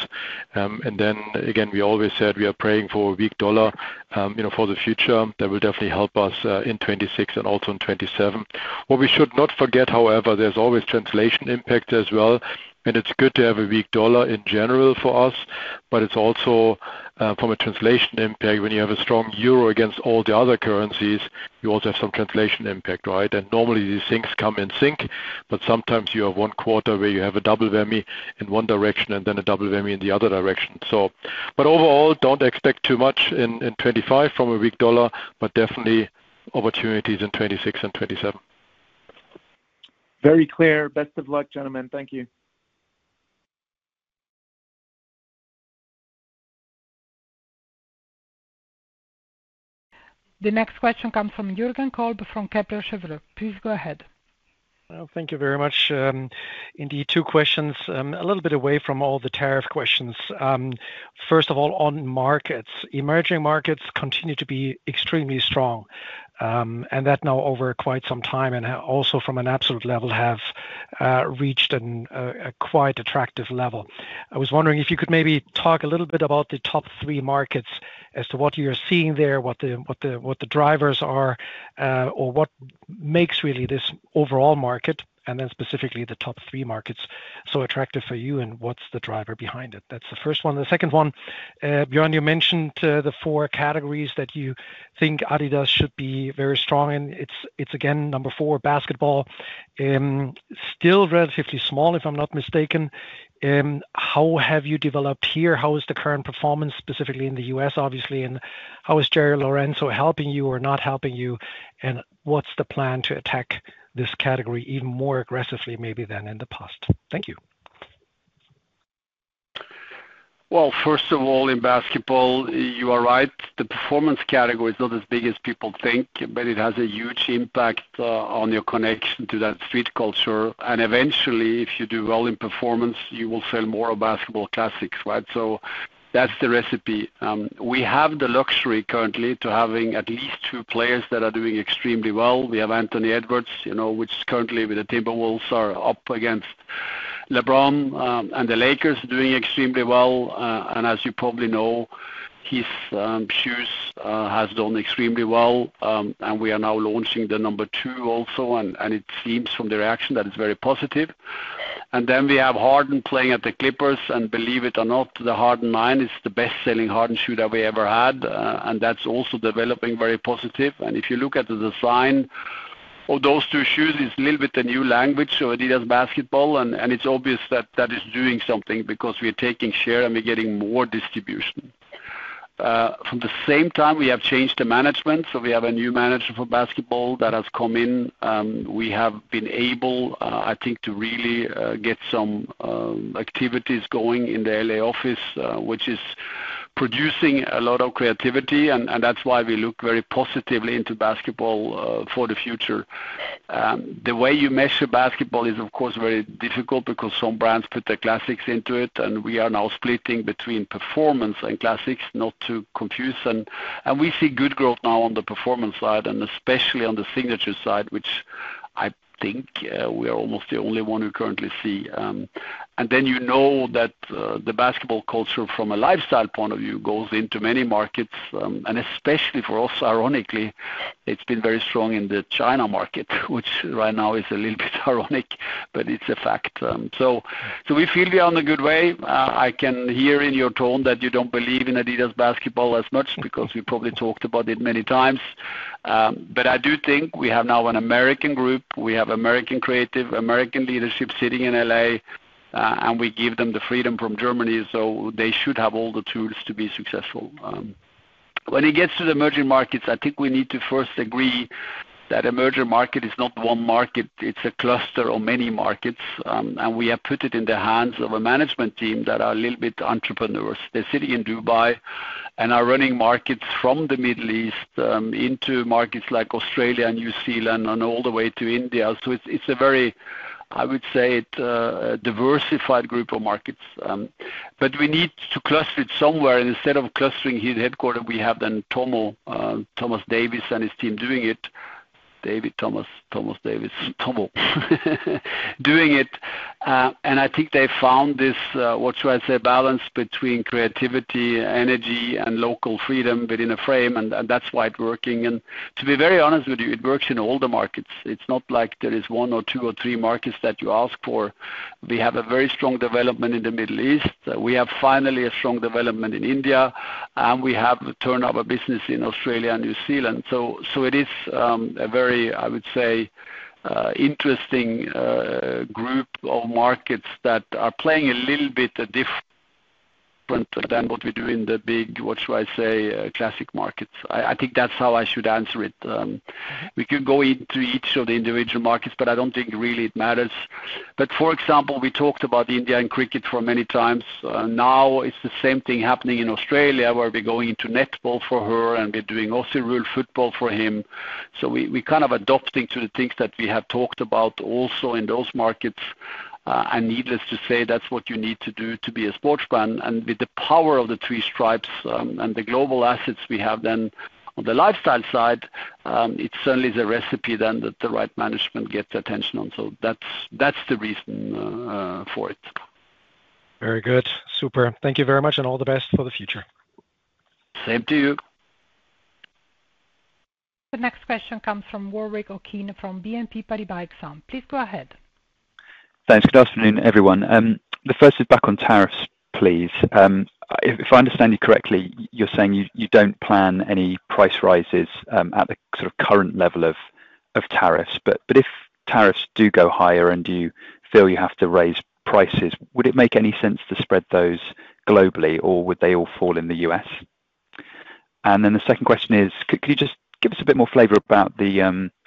Again, we always said we are praying for a weak dollar for the future. That will definitely help us in 2026 and also in 2027. What we should not forget, however, there's always translation impact as well. It is good to have a weak dollar in general for us. It is also from a translation impact. When you have a strong euro against all the other currencies, you also have some translation impact, right? Normally, these things come in sync. Sometimes you have one quarter where you have a double whammy in one direction and then a double whammy in the other direction. Overall, do not expect too much in 2025 from a weak dollar, but definitely opportunities in 2026 and 2027. Very clear. Best of luck, gentlemen. Thank you. The next question comes from Jürgen Kolb from Kepler Cheuvreux. Please go ahead. Thank you very much. Indeed, two questions a little bit away from all the tariff questions. First of all, on markets, emerging markets continue to be extremely strong. That now over quite some time and also from an absolute level have reached a quite attractive level. I was wondering if you could maybe talk a little bit about the top three markets as to what you're seeing there, what the drivers are, or what makes really this overall market, and then specifically the top three markets so attractive for you, and what's the driver behind it. That's the first one. The second one, Bjørn, you mentioned the four categories that you think adidas should be very strong in. It's, again, number four, basketball, still relatively small, if I'm not mistaken. How have you developed here? How is the current performance, specifically in the U.S., obviously? How is Jerry Lorenzo helping you or not helping you? What's the plan to attack this category even more aggressively, maybe, than in the past? Thank you. First of all, in basketball, you are right. The performance category is not as big as people think, but it has a huge impact on your connection to that street culture. Eventually, if you do well in performance, you will sell more of basketball classics, right? That's the recipe. We have the luxury currently of having at least two players that are doing extremely well. We have Anthony Edwards, who is currently with the Timberwolves, up against LeBron and the Lakers, who are doing extremely well. As you probably know, his shoes have done extremely well. We are now launching the number two also, and it seems from the reaction that it's very positive. Then we have Harden playing at the Clippers. Believe it or not, the Harden 9 is the best-selling Harden shoe that we ever had. That is also developing very positive. If you look at the design of those two shoes, it is a little bit the new language of adidas basketball. It is obvious that that is doing something because we are taking share and we are getting more distribution. At the same time, we have changed the management. We have a new manager for basketball that has come in. We have been able, I think, to really get some activities going in the L.A. office, which is producing a lot of creativity. That is why we look very positively into basketball for the future. The way you measure basketball is, of course, very difficult because some brands put their classics into it. We are now splitting between performance and classics, not to confuse. We see good growth now on the performance side, and especially on the signature side, which I think we are almost the only one who currently see. You know that the basketball culture, from a lifestyle point of view, goes into many markets. Especially for us, ironically, it has been very strong in the China market, which right now is a little bit ironic, but it is a fact. We feel we are on a good way. I can hear in your tone that you do not believe in adidas basketball as much because we probably talked about it many times. I do think we have now an American group. We have American creative, American leadership sitting in L.A., and we give them the freedom from Germany. They should have all the tools to be successful. When it gets to the emerging markets, I think we need to first agree that emerging market is not one market. It's a cluster of many markets. We have put it in the hands of a management team that are a little bit entrepreneurs. They're sitting in Dubai and are running markets from the Middle East into markets like Australia and New Zealand and all the way to India. It's a very, I would say, diversified group of markets. We need to cluster it somewhere. Instead of clustering here at headquarters, we have then Thomas Davis and his team doing it. David, Thomas, Thomas Davis, doing it. I think they found this, what shall I say, balance between creativity, energy, and local freedom within a frame. That's why it's working. To be very honest with you, it works in all the markets. It's not like there is one or two or three markets that you ask for. We have a very strong development in the Middle East. We have finally a strong development in India. We have turned our business in Australia and New Zealand. It is a very, I would say, interesting group of markets that are playing a little bit different than what we do in the big, what shall I say, classic markets. I think that's how I should answer it. We could go into each of the individual markets, but I don't think really it matters. For example, we talked about India and cricket for many times. Now it's the same thing happening in Australia, where we're going into netball for her, and we're doing Aussie-rules football for him. We're kind of adapting to the things that we have talked about also in those markets. Needless to say, that's what you need to do to be a sports fan. With the power of the three stripes and the global assets we have then on the lifestyle side, it certainly is a recipe then that the right management gets attention on. That's the reason for it. Very good. Super. Thank you very much, and all the best for the future. Same to you. The next question comes from Warwick Okines from BNP Paribas. Please go ahead. Thanks. Good afternoon, everyone. The first is back on tariffs, please. If I understand you correctly, you're saying you don't plan any price rises at the sort of current level of tariffs. If tariffs do go higher and you feel you have to raise prices, would it make any sense to spread those globally, or would they all fall in the U.S.? The second question is, could you just give us a bit more flavor about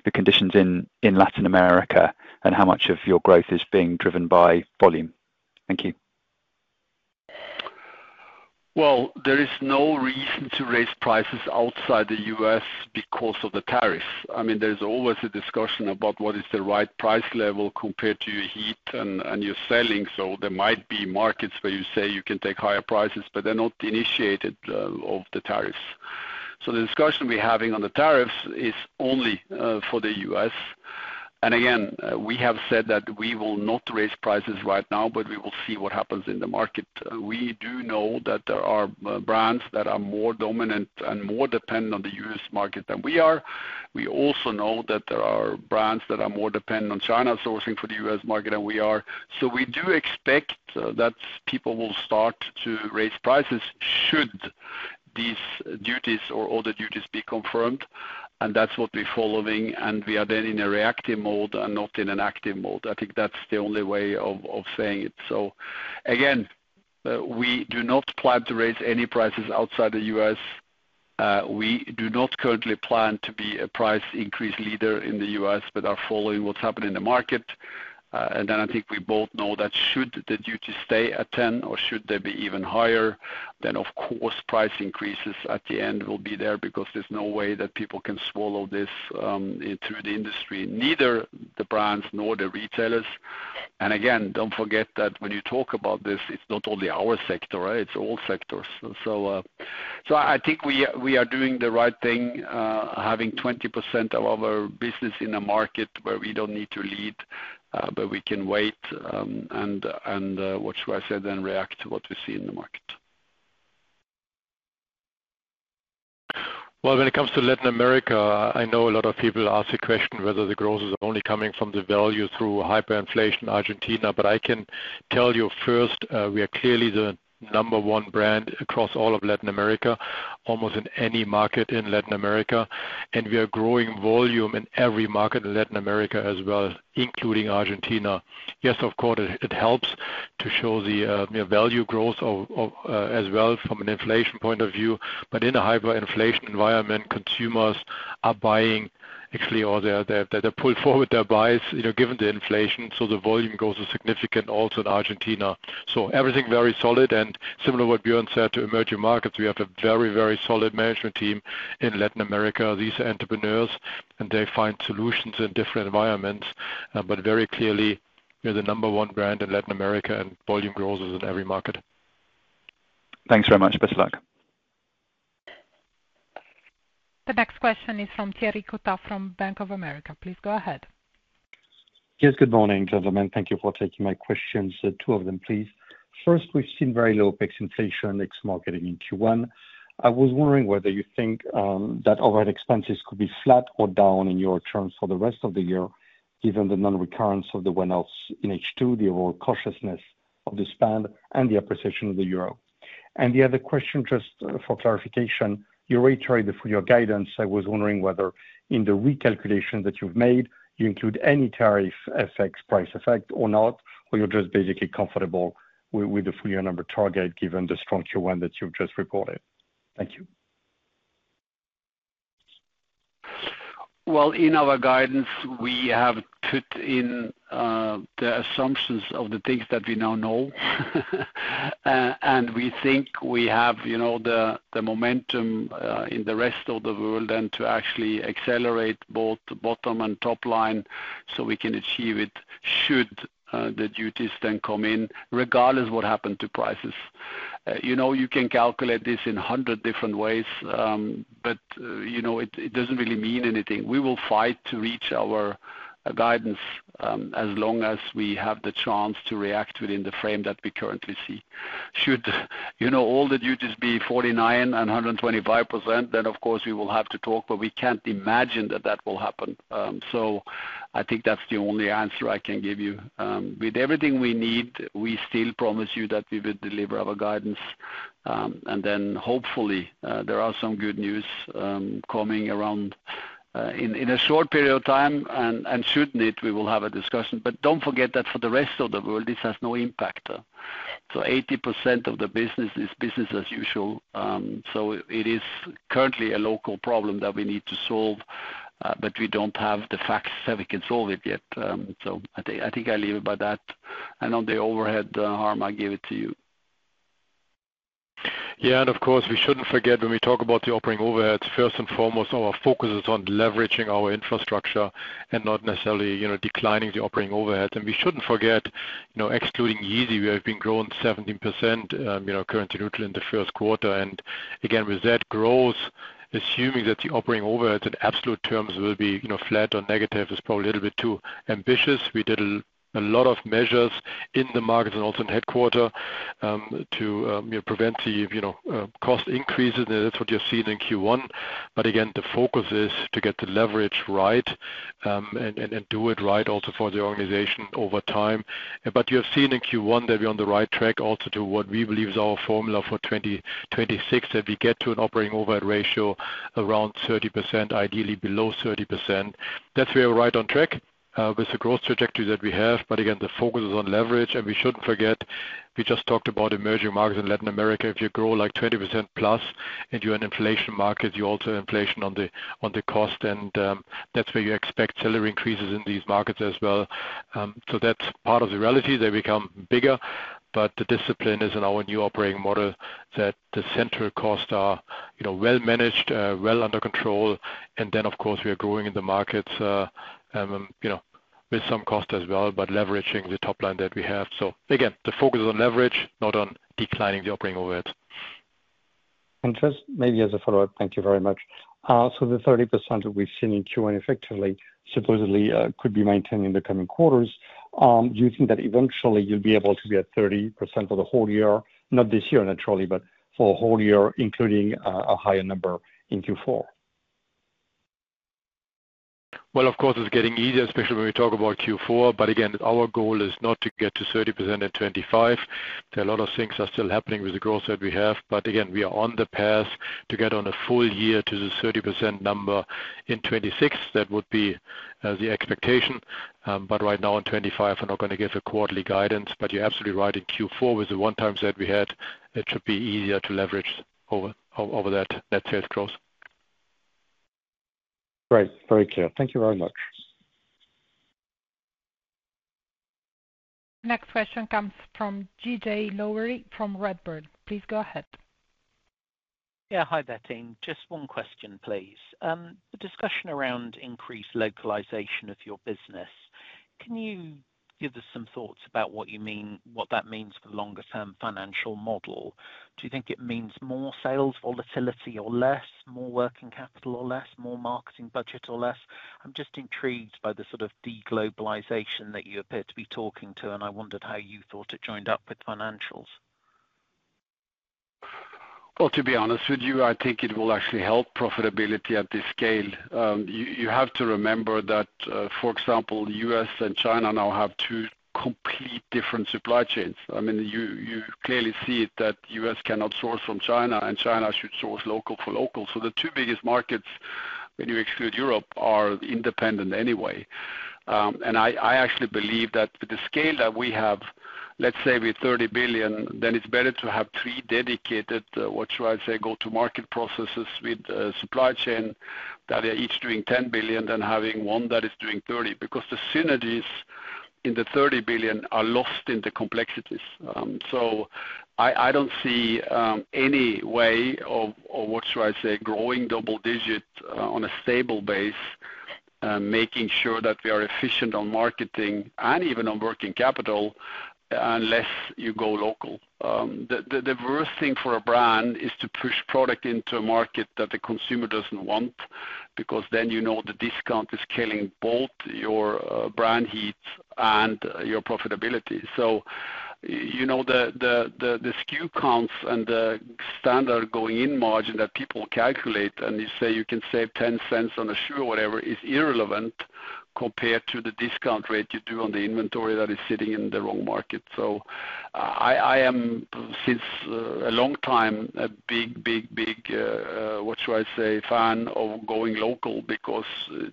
the conditions in Latin America and how much of your growth is being driven by volume? Thank you. There is no reason to raise prices outside the U.S. because of the tariffs. I mean, there is always a discussion about what is the right price level compared to your heat and your selling. There might be markets where you say you can take higher prices, but they are not initiated because of the tariffs. The discussion we are having on the tariffs is only for the U.S. We have said that we will not raise prices right now, but we will see what happens in the market. We do know that there are brands that are more dominant and more dependent on the U.S. market than we are. We also know that there are brands that are more dependent on China sourcing for the U.S. market than we are. We do expect that people will start to raise prices should these duties or other duties be confirmed. That is what we are following. We are then in a reactive mode and not in an active mode. I think that is the only way of saying it. We do not plan to raise any prices outside the U.S. We do not currently plan to be a price increase leader in the U.S., but are following what is happening in the market. I think we both know that should the duty stay at 10% or should there be even higher, of course, price increases at the end will be there because there is no way that people can swallow this through the industry, neither the brands nor the retailers. Again, do not forget that when you talk about this, it is not only our sector, right? It is all sectors. I think we are doing the right thing, having 20% of our business in a market where we do not need to lead, but we can wait and, what shall I say, then react to what we see in the market. When it comes to Latin America, I know a lot of people ask the question whether the growth is only coming from the value through hyperinflation in Argentina. I can tell you first, we are clearly the number one brand across all of Latin America, almost in any market in Latin America. We are growing volume in every market in Latin America as well, including Argentina. Yes, of course, it helps to show the value growth as well from an inflation point of view. In a hyperinflation environment, consumers are buying. Actually, they pull forward their buys given the inflation. The volume growth is significant also in Argentina. Everything very solid. Similar to what Bjørn said to emerging markets, we have a very, very solid management team in Latin America. These are entrepreneurs, and they find solutions in different environments. Very clearly, we're the number one brand in Latin America, and volume growth is in every market. Thanks very much. Best of luck. The next question is from Thierry Cota from Bank of America. Please go ahead. Yes, good morning, gentlemen. Thank you for taking my questions. Two of them, please. First, we've seen very low peak inflation ex-market in Q1. I was wondering whether you think that overhead expenses could be flat or down in your terms for the rest of the year, given the non-recurrence of the one-offs in H2, the overall cautiousness of the spend, and the appreciation of the euro. The other question, just for clarification, you rate for your guidance, I was wondering whether in the recalculation that you've made, you include any tariff effects, price effect, or not, or you're just basically comfortable with the full year number target given the strong Q1 that you've just reported. Thank you. In our guidance, we have put in the assumptions of the things that we now know. We think we have the momentum in the rest of the world then to actually accelerate both the bottom and top line so we can achieve it should the duties then come in, regardless of what happened to prices. You can calculate this in 100 different ways, but it does not really mean anything. We will fight to reach our guidance as long as we have the chance to react within the frame that we currently see. Should all the duties be 49% and 125%, then, of course, we will have to talk. We cannot imagine that that will happen. I think that is the only answer I can give you. With everything we need, we still promise you that we will deliver our guidance. Hopefully, there are some good news coming around in a short period of time. Shouldn't it, we will have a discussion. Do not forget that for the rest of the world, this has no impact. Eighty percent of the business is business as usual. It is currently a local problem that we need to solve, but we do not have the facts so we can solve it yet. I think I will leave it by that. On the overhead, Harm, I will give it to you. Yeah. Of course, we should not forget when we talk about the operating overheads, first and foremost, our focus is on leveraging our infrastructure and not necessarily declining the operating overheads. We should not forget excluding Yeezy, we have been growing 17%, currency neutral in the first quarter. Again, with that growth, assuming that the operating overheads in absolute terms will be flat or negative is probably a little bit too ambitious. We did a lot of measures in the markets and also in headquarters to prevent the cost increases. That is what you're seeing in Q1. Again, the focus is to get the leverage right and do it right also for the organization over time. You have seen in Q1 that we're on the right track also to what we believe is our formula for 2026, that we get to an operating overhead ratio around 30%, ideally below 30%. That is where we're right on track with the growth trajectory that we have. Again, the focus is on leverage. We should not forget, we just talked about emerging markets in Latin America. If you grow like 20% plus into an inflation market, you also have inflation on the cost. That is where you expect salary increases in these markets as well. That is part of the reality. They become bigger. The discipline is in our new operating model that the central costs are well-managed, well under control. Of course, we are growing in the markets with some cost as well, but leveraging the top line that we have. Again, the focus is on leverage, not on declining the operating overheads. Just maybe as a follow-up, thank you very much. The 30% that we've seen in Q1 effectively supposedly could be maintained in the coming quarters. Do you think that eventually you'll be able to be at 30% for the whole year? Not this year, naturally, but for a whole year, including a higher number in Q4? Of course, it's getting easier, especially when we talk about Q4. Again, our goal is not to get to 30% in 2025. There are a lot of things that are still happening with the growth that we have. Again, we are on the path to get on a full year to the 30% number in 2026. That would be the expectation. Right now, in 2025, we're not going to give a quarterly guidance. You're absolutely right. In Q4, with the one-time set we had, it should be easier to leverage over that sales growth. Right. Very clear. Thank you very much. The next question comes from Geoff Lowery from Redburn. Please go ahead. Yeah. Hi, Betty. Just one question, please. The discussion around increased localization of your business, can you give us some thoughts about what you mean, what that means for the longer-term financial model? Do you think it means more sales volatility or less, more working capital or less, more marketing budget or less? I'm just intrigued by the sort of deglobalization that you appear to be talking to, and I wondered how you thought it joined up with financials. To be honest with you, I think it will actually help profitability at this scale. You have to remember that, for example, the U.S. and China now have two complete different supply chains. I mean, you clearly see that the U.S. cannot source from China, and China should source local for local. The two biggest markets, when you exclude Europe, are independent anyway. I actually believe that with the scale that we have, let's say with 30 billion, then it's better to have three dedicated, what shall I say, go-to-market processes with supply chain that are each doing 10 billion than having one that is doing 30 billion because the synergies in the 30 billion are lost in the complexities. I do not see any way of, what shall I say, growing double-digit on a stable base, making sure that we are efficient on marketing and even on working capital unless you go local. The worst thing for a brand is to push product into a market that the consumer does not want because then you know the discount is killing both your brand heat and your profitability. The SKU counts and the standard going-in margin that people calculate and you say you can save 10 cents on a shoe or whatever is irrelevant compared to the discount rate you do on the inventory that is sitting in the wrong market. I am, since a long time, a big, big, big, what shall I say, fan of going local because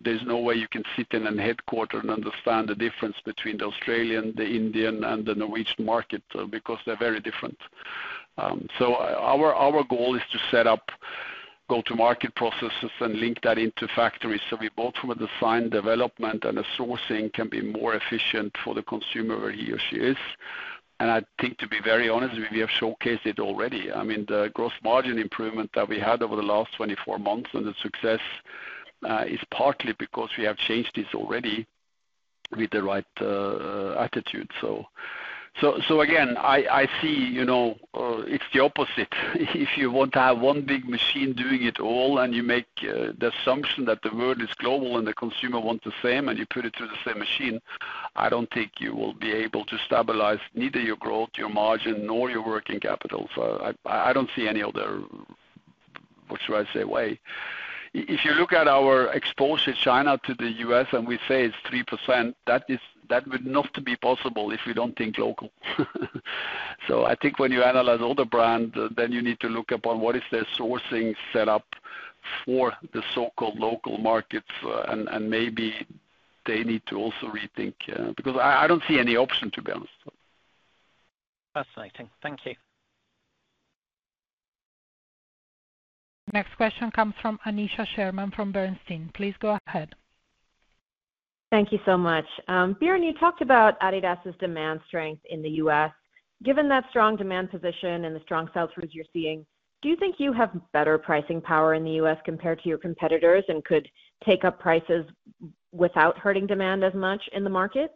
there's no way you can sit in a headquarter and understand the difference between the Australian, the Indian, and the Norwegian market because they're very different. Our goal is to set up go-to-market processes and link that into factories so we both have a design development and a sourcing can be more efficient for the consumer where he or she is. I think, to be very honest, we have showcased it already. I mean, the gross margin improvement that we had over the last 24 months and the success is partly because we have changed this already with the right attitude. Again, I see it's the opposite. If you want to have one big machine doing it all and you make the assumption that the world is global and the consumer wants the same and you put it through the same machine, I do not think you will be able to stabilize neither your growth, your margin, nor your working capital. I do not see any other, what shall I say, way. If you look at our exposure, China to the U.S., and we say it is 3%, that would not be possible if we do not think local. I think when you analyze all the brands, then you need to look upon what is their sourcing setup for the so-called local markets. Maybe they need to also rethink because I do not see any option, to be honest. Fascinating. Thank you. The next question comes from Aneesha Sherman from Bernstein. Please go ahead. Thank you so much. Bjørn, you talked about adidas's demand strength in the U.S. Given that strong demand position and the strong sales rules you're seeing, do you think you have better pricing power in the U.S. compared to your competitors and could take up prices without hurting demand as much in the market?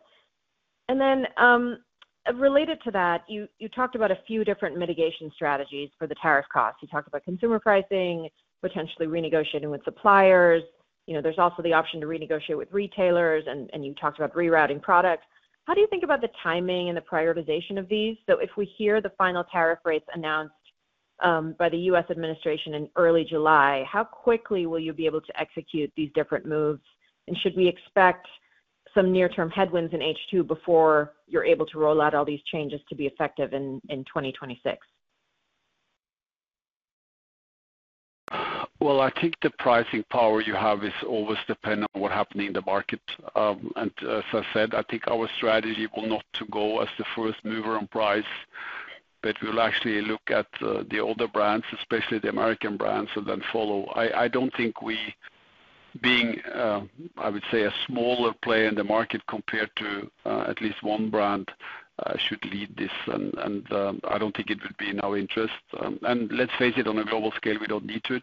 Related to that, you talked about a few different mitigation strategies for the tariff costs. You talked about consumer pricing, potentially renegotiating with suppliers. There's also the option to renegotiate with retailers, and you talked about rerouting products. How do you think about the timing and the prioritization of these? If we hear the final tariff rates announced by the U.S. administration in early July, how quickly will you be able to execute these different moves? Should we expect some near-term headwinds in H2 before you're able to roll out all these changes to be effective in 2026? I think the pricing power you have is always dependent on what's happening in the market. As I said, I think our strategy will not go as the first mover on price, but we'll actually look at the older brands, especially the American brands, and then follow. I don't think we, being, I would say, a smaller player in the market compared to at least one brand, should lead this. I don't think it would be in our interest. Let's face it, on a global scale, we don't need to.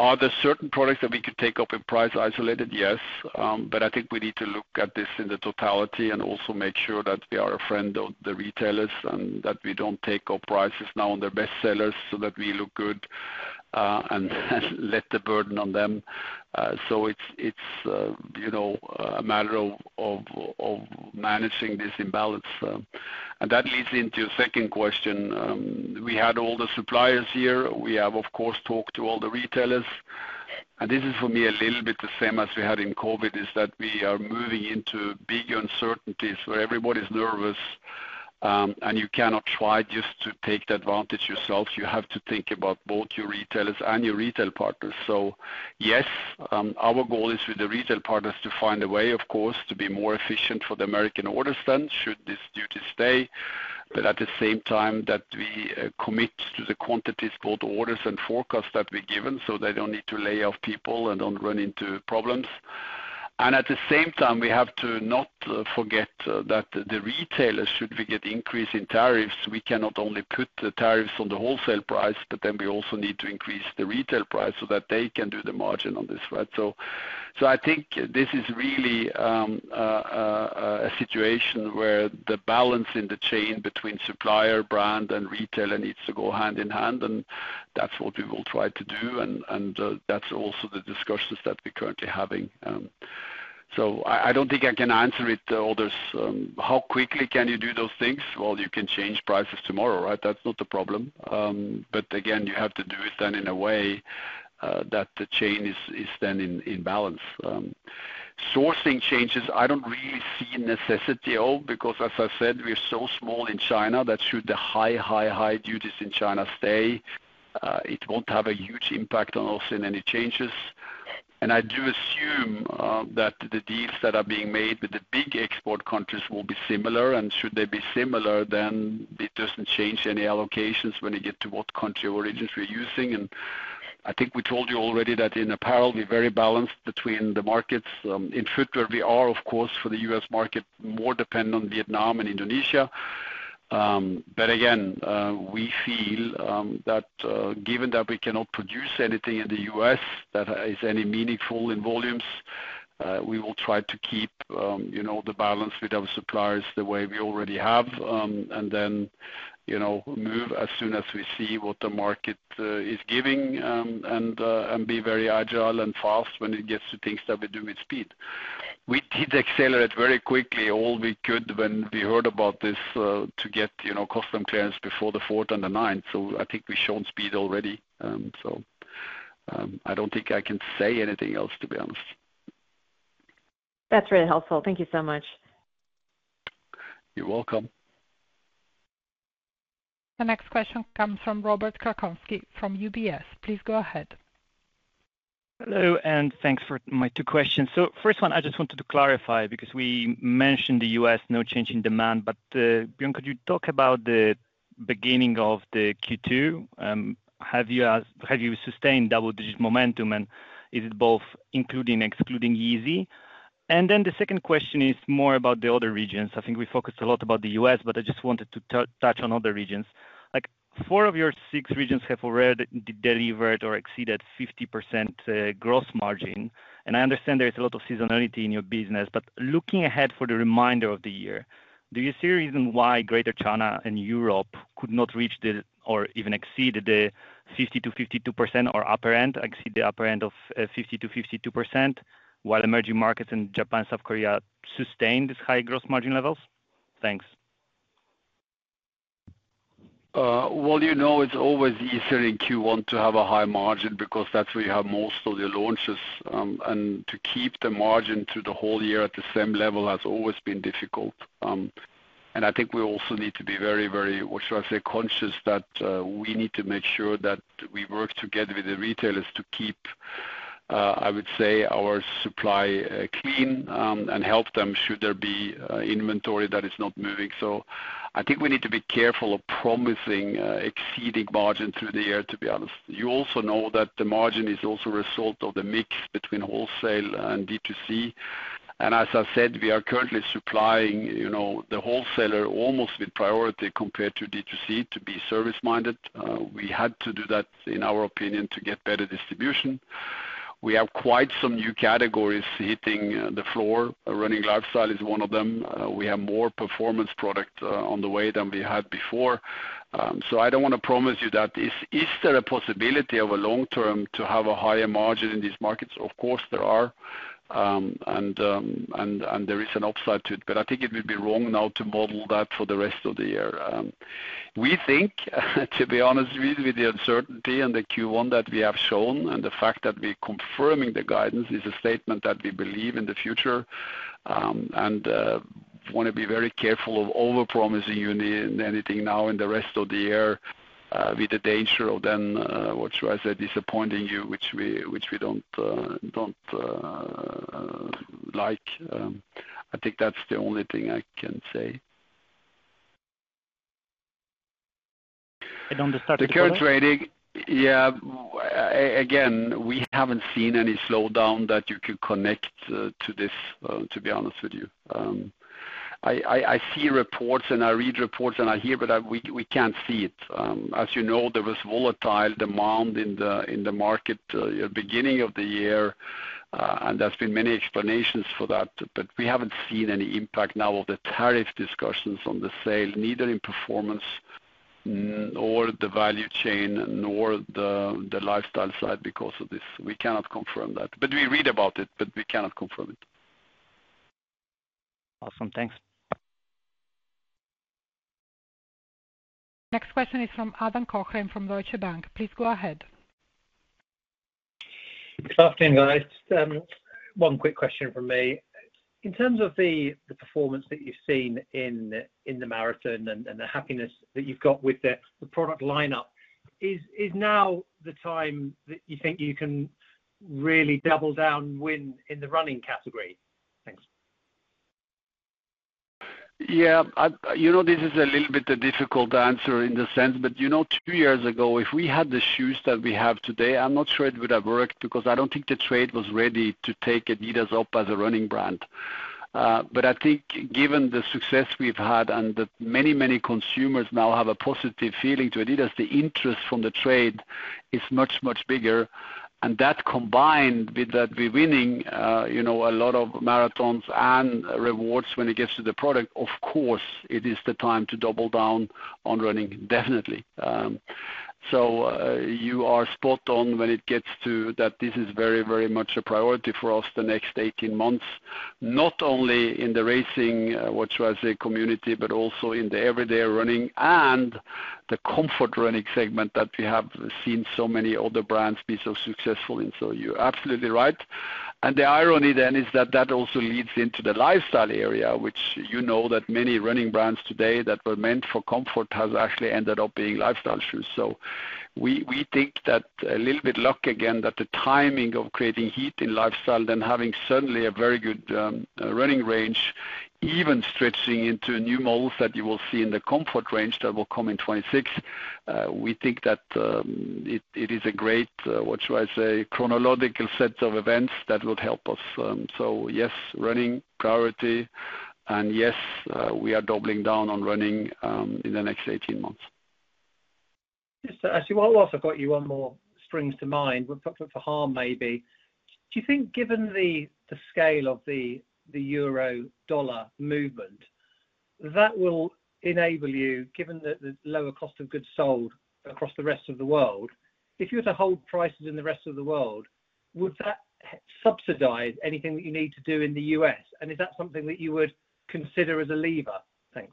Are there certain products that we could take up in price isolated? Yes. I think we need to look at this in the totality and also make sure that we are a friend of the retailers and that we do not take up prices now on their best sellers so that we look good and let the burden on them. It is a matter of managing this imbalance. That leads into a second question. We had all the suppliers here. We have, of course, talked to all the retailers. This is, for me, a little bit the same as we had in COVID, that we are moving into big uncertainties where everybody is nervous, and you cannot try just to take the advantage yourself. You have to think about both your retailers and your retail partners. Yes, our goal is with the retail partners to find a way, of course, to be more efficient for the American orders then, should this duty stay, but at the same time that we commit to the quantities, both orders and forecasts that we're given so they don't need to lay off people and don't run into problems. At the same time, we have to not forget that the retailers, should we get an increase in tariffs, we cannot only put the tariffs on the wholesale price, but then we also need to increase the retail price so that they can do the margin on this, right? I think this is really a situation where the balance in the chain between supplier, brand, and retailer needs to go hand in hand. That's what we will try to do. That is also the discussions that we're currently having. I don't think I can answer it, others. How quickly can you do those things? You can change prices tomorrow, right? That is not the problem. Again, you have to do it then in a way that the chain is then in balance. Sourcing changes, I don't really see a necessity of because, as I said, we're so small in China. Should the high, high, high duties in China stay, it won't have a huge impact on us in any changes. I do assume that the deals that are being made with the big export countries will be similar. Should they be similar, then it doesn't change any allocations when you get to what country or regions we're using. I think we told you already that in apparel, we're very balanced between the markets. In footwear, we are, of course, for the U.S. market, more dependent on Vietnam and Indonesia. Again, we feel that given that we cannot produce anything in the U.S. that is any meaningful in volumes, we will try to keep the balance with our suppliers the way we already have and then move as soon as we see what the market is giving and be very agile and fast when it gets to things that we do with speed. We did accelerate very quickly all we could when we heard about this to get custom clearance before the 4th and the 9th. I think we showed speed already. I do not think I can say anything else, to be honest. That's really helpful. Thank you so much. You're welcome. The next question comes from Robert Krankowski from UBS. Please go ahead. Hello, and thanks for my two questions. First, I just wanted to clarify because we mentioned the U.S., no change in demand. Bjørn, could you talk about the beginning of Q2? Have you sustained double-digit momentum, and is it both including and excluding Yeezy? The second question is more about the other regions. I think we focused a lot on the U.S., but I just wanted to touch on other regions. Four of your six regions have already delivered or exceeded 50% gross margin. I understand there's a lot of seasonality in your business. Looking ahead for the remainder of the year, do you see a reason why Greater China and Europe could not reach or even exceed the 50%-52% or upper end, exceed the upper end of 50%-52%, while emerging markets in Japan and South Korea sustained these high gross margin levels? Thanks. It's always easier in Q1 to have a high margin because that's where you have most of the launches. To keep the margin through the whole year at the same level has always been difficult. I think we also need to be very, very, what shall I say, conscious that we need to make sure that we work together with the retailers to keep, I would say, our supply clean and help them should there be inventory that is not moving. I think we need to be careful of promising exceeding margin through the year, to be honest. You also know that the margin is also a result of the mix between wholesale and D2C. As I said, we are currently supplying the wholesaler almost with priority compared to D2C to be service-minded. We had to do that, in our opinion, to get better distribution. We have quite some new categories hitting the floor. Running lifestyle is one of them. We have more performance products on the way than we had before. I do not want to promise you that. Is there a possibility over the long term to have a higher margin in these markets? Of course, there are. There is an upside to it. I think it would be wrong now to model that for the rest of the year. We think, to be honest, with the uncertainty and the Q1 that we have shown and the fact that we are confirming the guidance is a statement that we believe in the future. I want to be very careful of overpromising you anything now in the rest of the year with the danger of then, what shall I say, disappointing you, which we do not like. I think that is the only thing I can say. On the start of the year, the current rating, yeah. Again, we have not seen any slowdown that you could connect to this, to be honest with you. I see reports, and I read reports, and I hear, but we cannot see it. As you know, there was volatile demand in the market at the beginning of the year. There have been many explanations for that. We have not seen any impact now of the tariff discussions on the sale, neither in performance nor the value chain nor the lifestyle side because of this. We cannot confirm that. We read about it, but we cannot confirm it. Awesome. Thanks. Next question is from Adam Cochrane from Deutsche Bank. Please go ahead. Good afternoon, guys. One quick question from me. In terms of the performance that you've seen in the marathon and the happiness that you've got with the product lineup, is now the time that you think you can really double down, win, in the running category? Thanks. Yeah. This is a little bit difficult answer in the sense, but two years ago, if we had the shoes that we have today, I'm not sure it would have worked because I don't think the trade was ready to take adidas up as a running brand. I think given the success we've had and that many, many consumers now have a positive feeling to adidas, the interest from the trade is much, much bigger. That combined with that we are winning a lot of marathons and rewards when it gets to the product, of course, it is the time to double down on running, definitely. You are spot on when it gets to that this is very, very much a priority for us the next 18 months, not only in the racing, what shall I say, community, but also in the everyday running and the comfort running segment that we have seen so many other brands be so successful in. You are absolutely right. The irony then is that that also leads into the lifestyle area, which you know that many running brands today that were meant for comfort have actually ended up being lifestyle shoes. We think that a little bit luck again that the timing of creating heat in lifestyle, then having suddenly a very good running range, even stretching into new models that you will see in the comfort range that will come in 2026, we think that it is a great, what shall I say, chronological set of events that would help us. Yes, running priority. Yes, we are doubling down on running in the next 18 months. Yes. Actually, while I've got you on more strings to mind, we've talked about the harm maybe. Do you think given the scale of the euro-dollar movement that will enable you, given the lower cost of goods sold across the rest of the world, if you were to hold prices in the rest of the world, would that subsidize anything that you need to do in the U.S.? Is that something that you would consider as a lever? Thanks.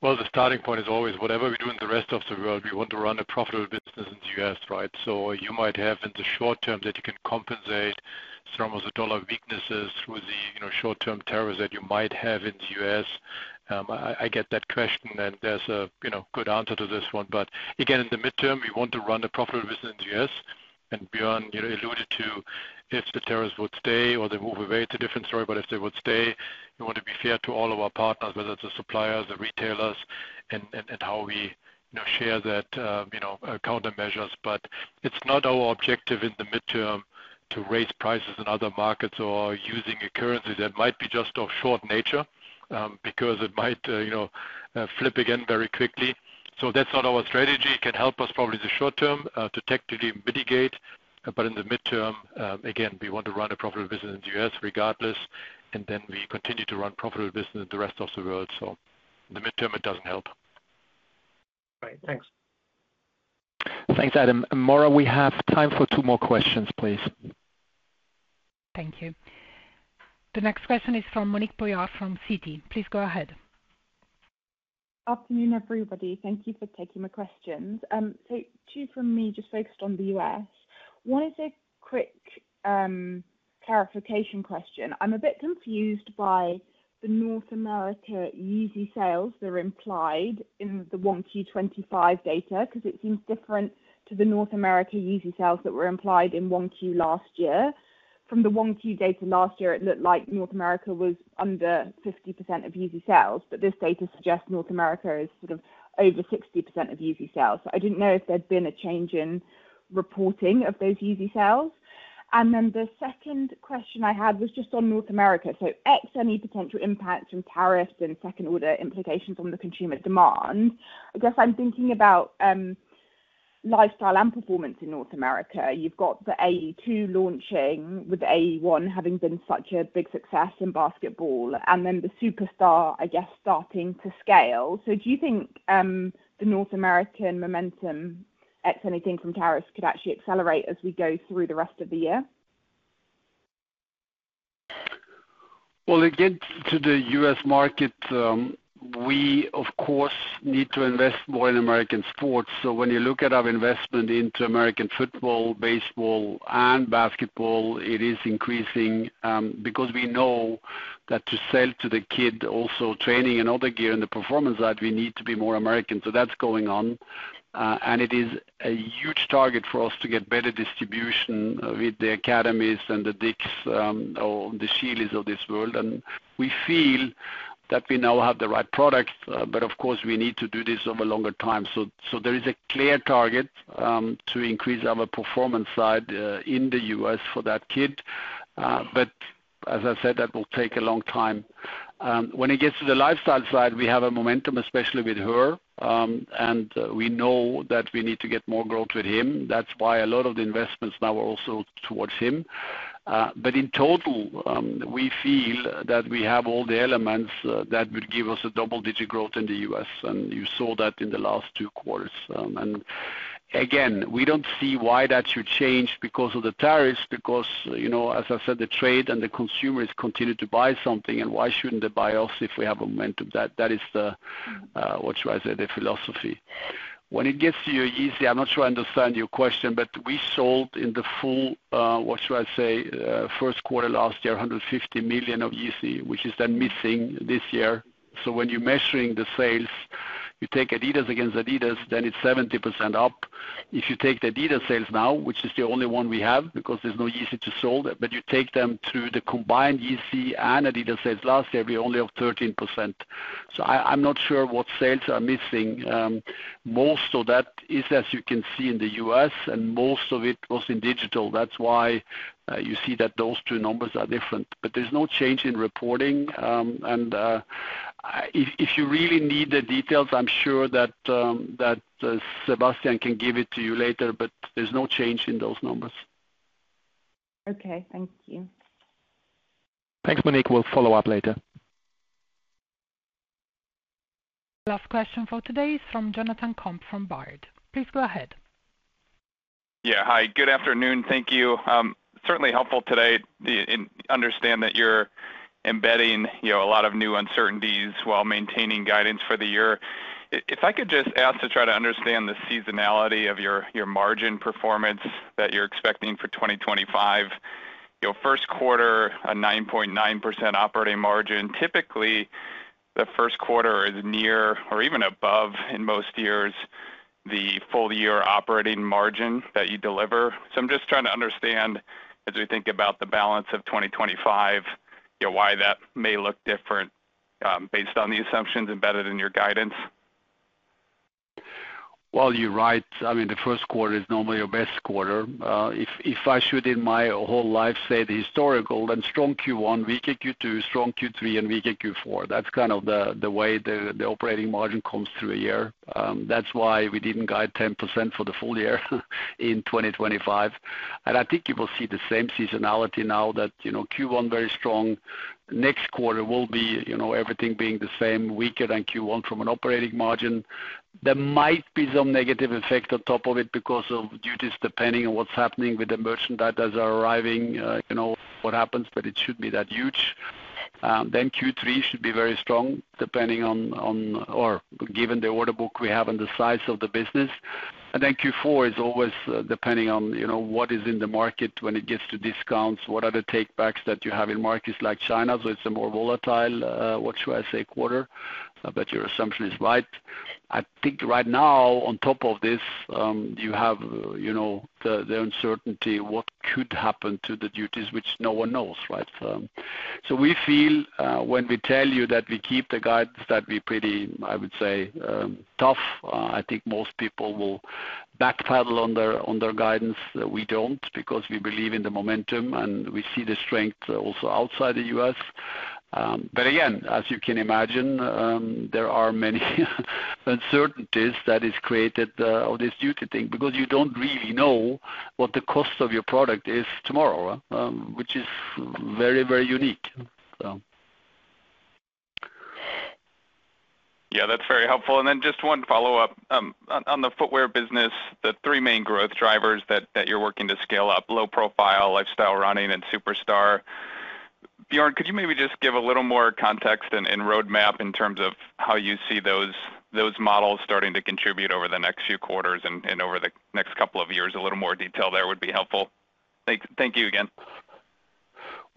The starting point is always whatever we do in the rest of the world, we want to run a profitable business in the U.S., right? You might have in the short term that you can compensate some of the dollar weaknesses through the short-term tariffs that you might have in the U.S. I get that question, and there is a good answer to this one. Again, in the midterm, we want to run a profitable business in the U.S. Bjørn alluded to if the tariffs would stay or they move away, it is a different story. If they would stay, we want to be fair to all of our partners, whether it is the suppliers, the retailers, and how we share that countermeasures. It is not our objective in the midterm to raise prices in other markets or using a currency that might be just of short nature because it might flip again very quickly. That is not our strategy. It can help us probably in the short term to technically mitigate. In the midterm, again, we want to run a profitable business in the U.S. regardless. We continue to run profitable business in the rest of the world. In the midterm, it does not help. Right. Thanks. Thanks, Adam. Maura, we have time for two more questions, please. Thank you. The next question is from Monique Pollard from Citi. Please go ahead. Afternoon, everybody. Thank you for taking my questions. Two from me just focused on the U.S. One is a quick clarification question. I'm a bit confused by the North America Yeezy sales that are implied in the Q1 2025 data because it seems different to the North America Yeezy sales that were implied in Q1 last year. From the Q1 data last year, it looked like North America was under 50% of Yeezy sales. This data suggests North America is sort of over 60% of Yeezy sales. I did not know if there had been a change in reporting of those Yeezy sales. The second question I had was just on North America. X, any potential impacts from tariffs and second-order implications on the consumer demand? I guess I'm thinking about lifestyle and performance in North America. You've got the AE2 launching with the AE1 having been such a big success in basketball, and the Superstar, I guess, starting to scale. Do you think the North American momentum, X, anything from tariffs could actually accelerate as we go through the rest of the year? Again, to the U.S. market, we, of course, need to invest more in American sports. When you look at our investment into American football, baseball, and basketball, it is increasing because we know that to sell to the kid also training and other gear on the performance side, we need to be more American. That is going on. It is a huge target for us to get better distribution with the academies and the Dicks or the Shelys of this world. We feel that we now have the right product. Of course, we need to do this over a longer time. There is a clear target to increase our performance side in the U.S. for that kid. As I said, that will take a long time. When it gets to the lifestyle side, we have a momentum, especially with her. We know that we need to get more growth with him. That is why a lot of the investments now are also towards him. In total, we feel that we have all the elements that would give us a double-digit growth in the U.S. You saw that in the last two quarters. We do not see why that should change because of the tariffs, because, as I said, the trade and the consumers continue to buy something. Why should they not buy us if we have a momentum? That is the, what shall I say, the philosophy. When it gets to your Yeezy, I'm not sure I understand your question, but we sold in the full, what shall I say, first quarter last year, 150 million of Yeezy, which is then missing this year. When you're measuring the sales, you take adidas against adidas, then it's 70% up. If you take the adidas sales now, which is the only one we have because there's no Yeezy to be sold, but you take them through the combined Yeezy and adidas sales last year, we're only up 13%. I'm not sure what sales are missing. Most of that is, as you can see, in the U.S., and most of it was in digital. That's why you see that those two numbers are different. There's no change in reporting. If you really need the details, I'm sure that Sebastian can give it to you later, but there's no change in those numbers. Okay. Thank you. Thanks, Monique. We'll follow up later. Last question for today is from Jonathan Komp from Baird. Please go ahead. Yeah. Hi. Good afternoon. Thank you. Certainly helpful today to understand that you're embedding a lot of new uncertainties while maintaining guidance for the year. If I could just ask to try to understand the seasonality of your margin performance that you're expecting for 2025. First quarter, a 9.9% operating margin. Typically, the first quarter is near or even above in most years the full-year operating margin that you deliver. I'm just trying to understand as we think about the balance of 2025 why that may look different based on the assumptions embedded in your guidance. You're right. I mean, the first quarter is normally your best quarter. If I should, in my whole life, say the historical, then strong Q1, weak Q2, strong Q3, and weak Q4. That is kind of the way the operating margin comes through a year. That is why we did not guide 10% for the full year in 2025. I think you will see the same seasonality now that Q1 very strong. Next quarter will be, everything being the same, weaker than Q1 from an operating margin. There might be some negative effect on top of it because of duties depending on what is happening with the merchandise that are arriving, what happens, but it should not be that huge. Q3 should be very strong depending on or given the order book we have and the size of the business. Q4 is always depending on what is in the market when it gets to discounts, what are the takebacks that you have in markets like China. It is a more volatile, what shall I say, quarter. I bet your assumption is right. I think right now, on top of this, you have the uncertainty of what could happen to the duties, which no one knows, right? We feel when we tell you that we keep the guidance that would be pretty, I would say, tough. I think most people will backpedal on their guidance. We do not because we believe in the momentum, and we see the strength also outside the U.S. As you can imagine, there are many uncertainties that are created of this duty thing because you do not really know what the cost of your product is tomorrow, which is very, very unique. Yeah. That's very helpful. Just one follow-up. On the footwear business, the three main growth drivers that you're working to scale up: low-profile, lifestyle running, and Superstar. Bjørn, could you maybe just give a little more context and roadmap in terms of how you see those models starting to contribute over the next few quarters and over the next couple of years? A little more detail there would be helpful. Thank you again.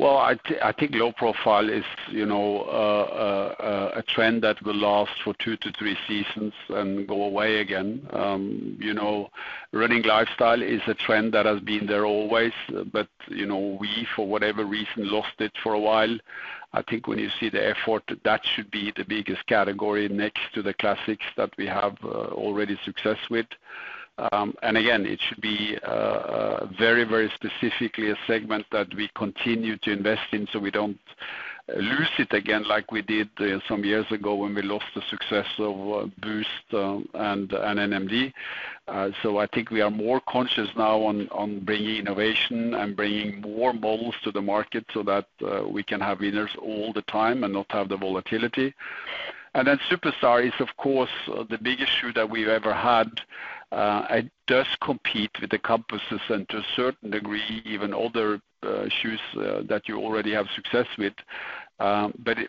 I think low profile is a trend that will last for two to three seasons and go away again. Running lifestyle is a trend that has been there always, but we, for whatever reason, lost it for a while. I think when you see the effort, that should be the biggest category next to the classics that we have already success with. It should be very, very specifically a segment that we continue to invest in so we do not lose it again like we did some years ago when we lost the success of Boost and NMD. I think we are more conscious now on bringing innovation and bringing more models to the market so that we can have winners all the time and not have the volatility. Superstar is, of course, the biggest shoe that we have ever had. It does compete with the Compasses and to a certain degree, even other shoes that you already have success with.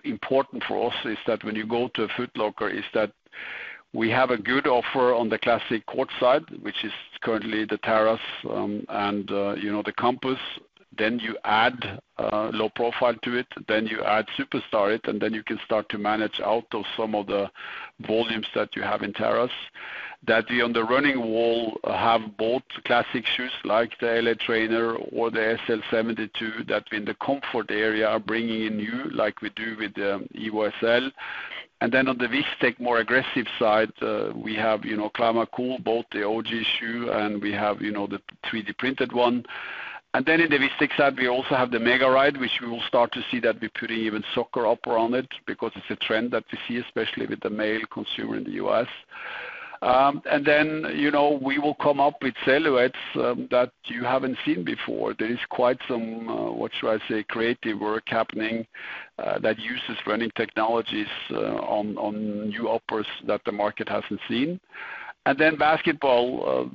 Important for us is that when you go to a Foot Locker, we have a good offer on the classic court side, which is currently the Terrace and the Compass. You add low profile to it, you add Superstar to it, and you can start to manage out of some of the volumes that you have in Terrace. On the running wall, we have both classic shoes like the LA Trainer or the SL 72. In the comfort area, we are bringing in new like we do with the Evo SL. On the Vistex, more aggressive side, we have Climacool, both the OG shoe, and we have the 3D printed one. In the Vistex side, we also have the Mega Ride, which we will start to see that we're putting even soccer upper on it because it's a trend that we see, especially with the male consumer in the U.S. We will come up with silhouettes that you haven't seen before. There is quite some, what shall I say, creative work happening that uses running technologies on new uppers that the market has not seen. Then basketball,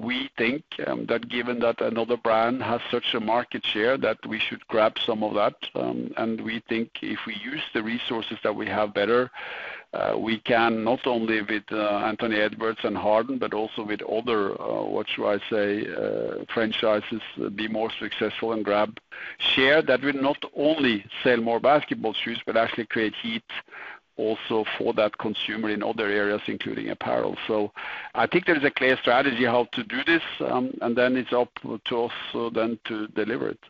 we think that given that another brand has such a market share that we should grab some of that. We think if we use the resources that we have better, we can not only with Anthony Edwards and Harden, but also with other, what shall I say, franchises be more successful and grab share that will not only sell more basketball shoes, but actually create heat also for that consumer in other areas, including apparel. I think there is a clear strategy how to do this, and then it is up to us then to deliver it.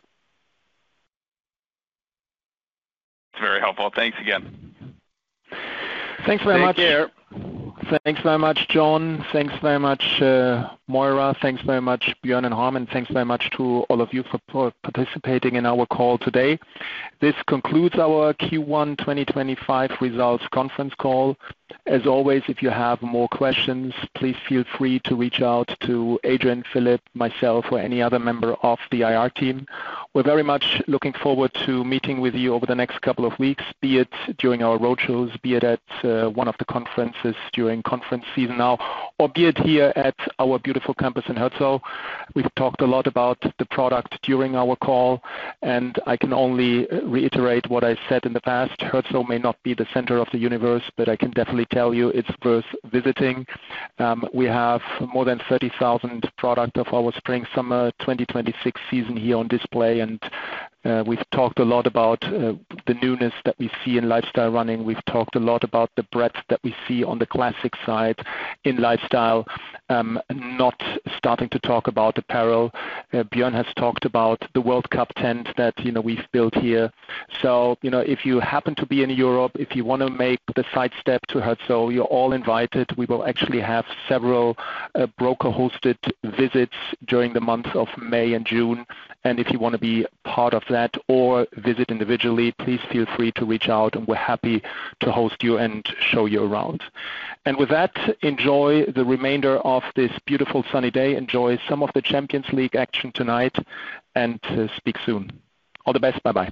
That is very helpful. Thanks again. Thanks very much. Take care. Thanks very much, John. Thanks very much, Maura. Thanks very much, Bjørn and Harm. Thanks very much to all of you for participating in our call today. This concludes our Q1 2025 results conference call. As always, if you have more questions, please feel free to reach out to Adrian, Philip, myself, or any other member of the IR team. We're very much looking forward to meeting with you over the next couple of weeks, be it during our roadshows, be it at one of the conferences during conference season now, or be it here at our beautiful campus in Herzogenaurach. We've talked a lot about the product during our call, and I can only reiterate what I said in the past. Herzogenaurach may not be the center of the universe, but I can definitely tell you it's worth visiting. We have more than 30,000 products of our spring-summer 2026 season here on display, and we have talked a lot about the newness that we see in lifestyle running. We have talked a lot about the breadth that we see on the classic side in lifestyle, not starting to talk about apparel. Bjørn has talked about the World Cup tent that we have built here. If you happen to be in Europe, if you want to make the sidestep to Herzogenaurach, you are all invited. We will actually have several broker-hosted visits during the month of May and June. If you want to be part of that or visit individually, please feel free to reach out, and we are happy to host you and show you around. With that, enjoy the remainder of this beautiful sunny day. Enjoy some of the Champions League action tonight and speak soon. All the best. Bye-bye.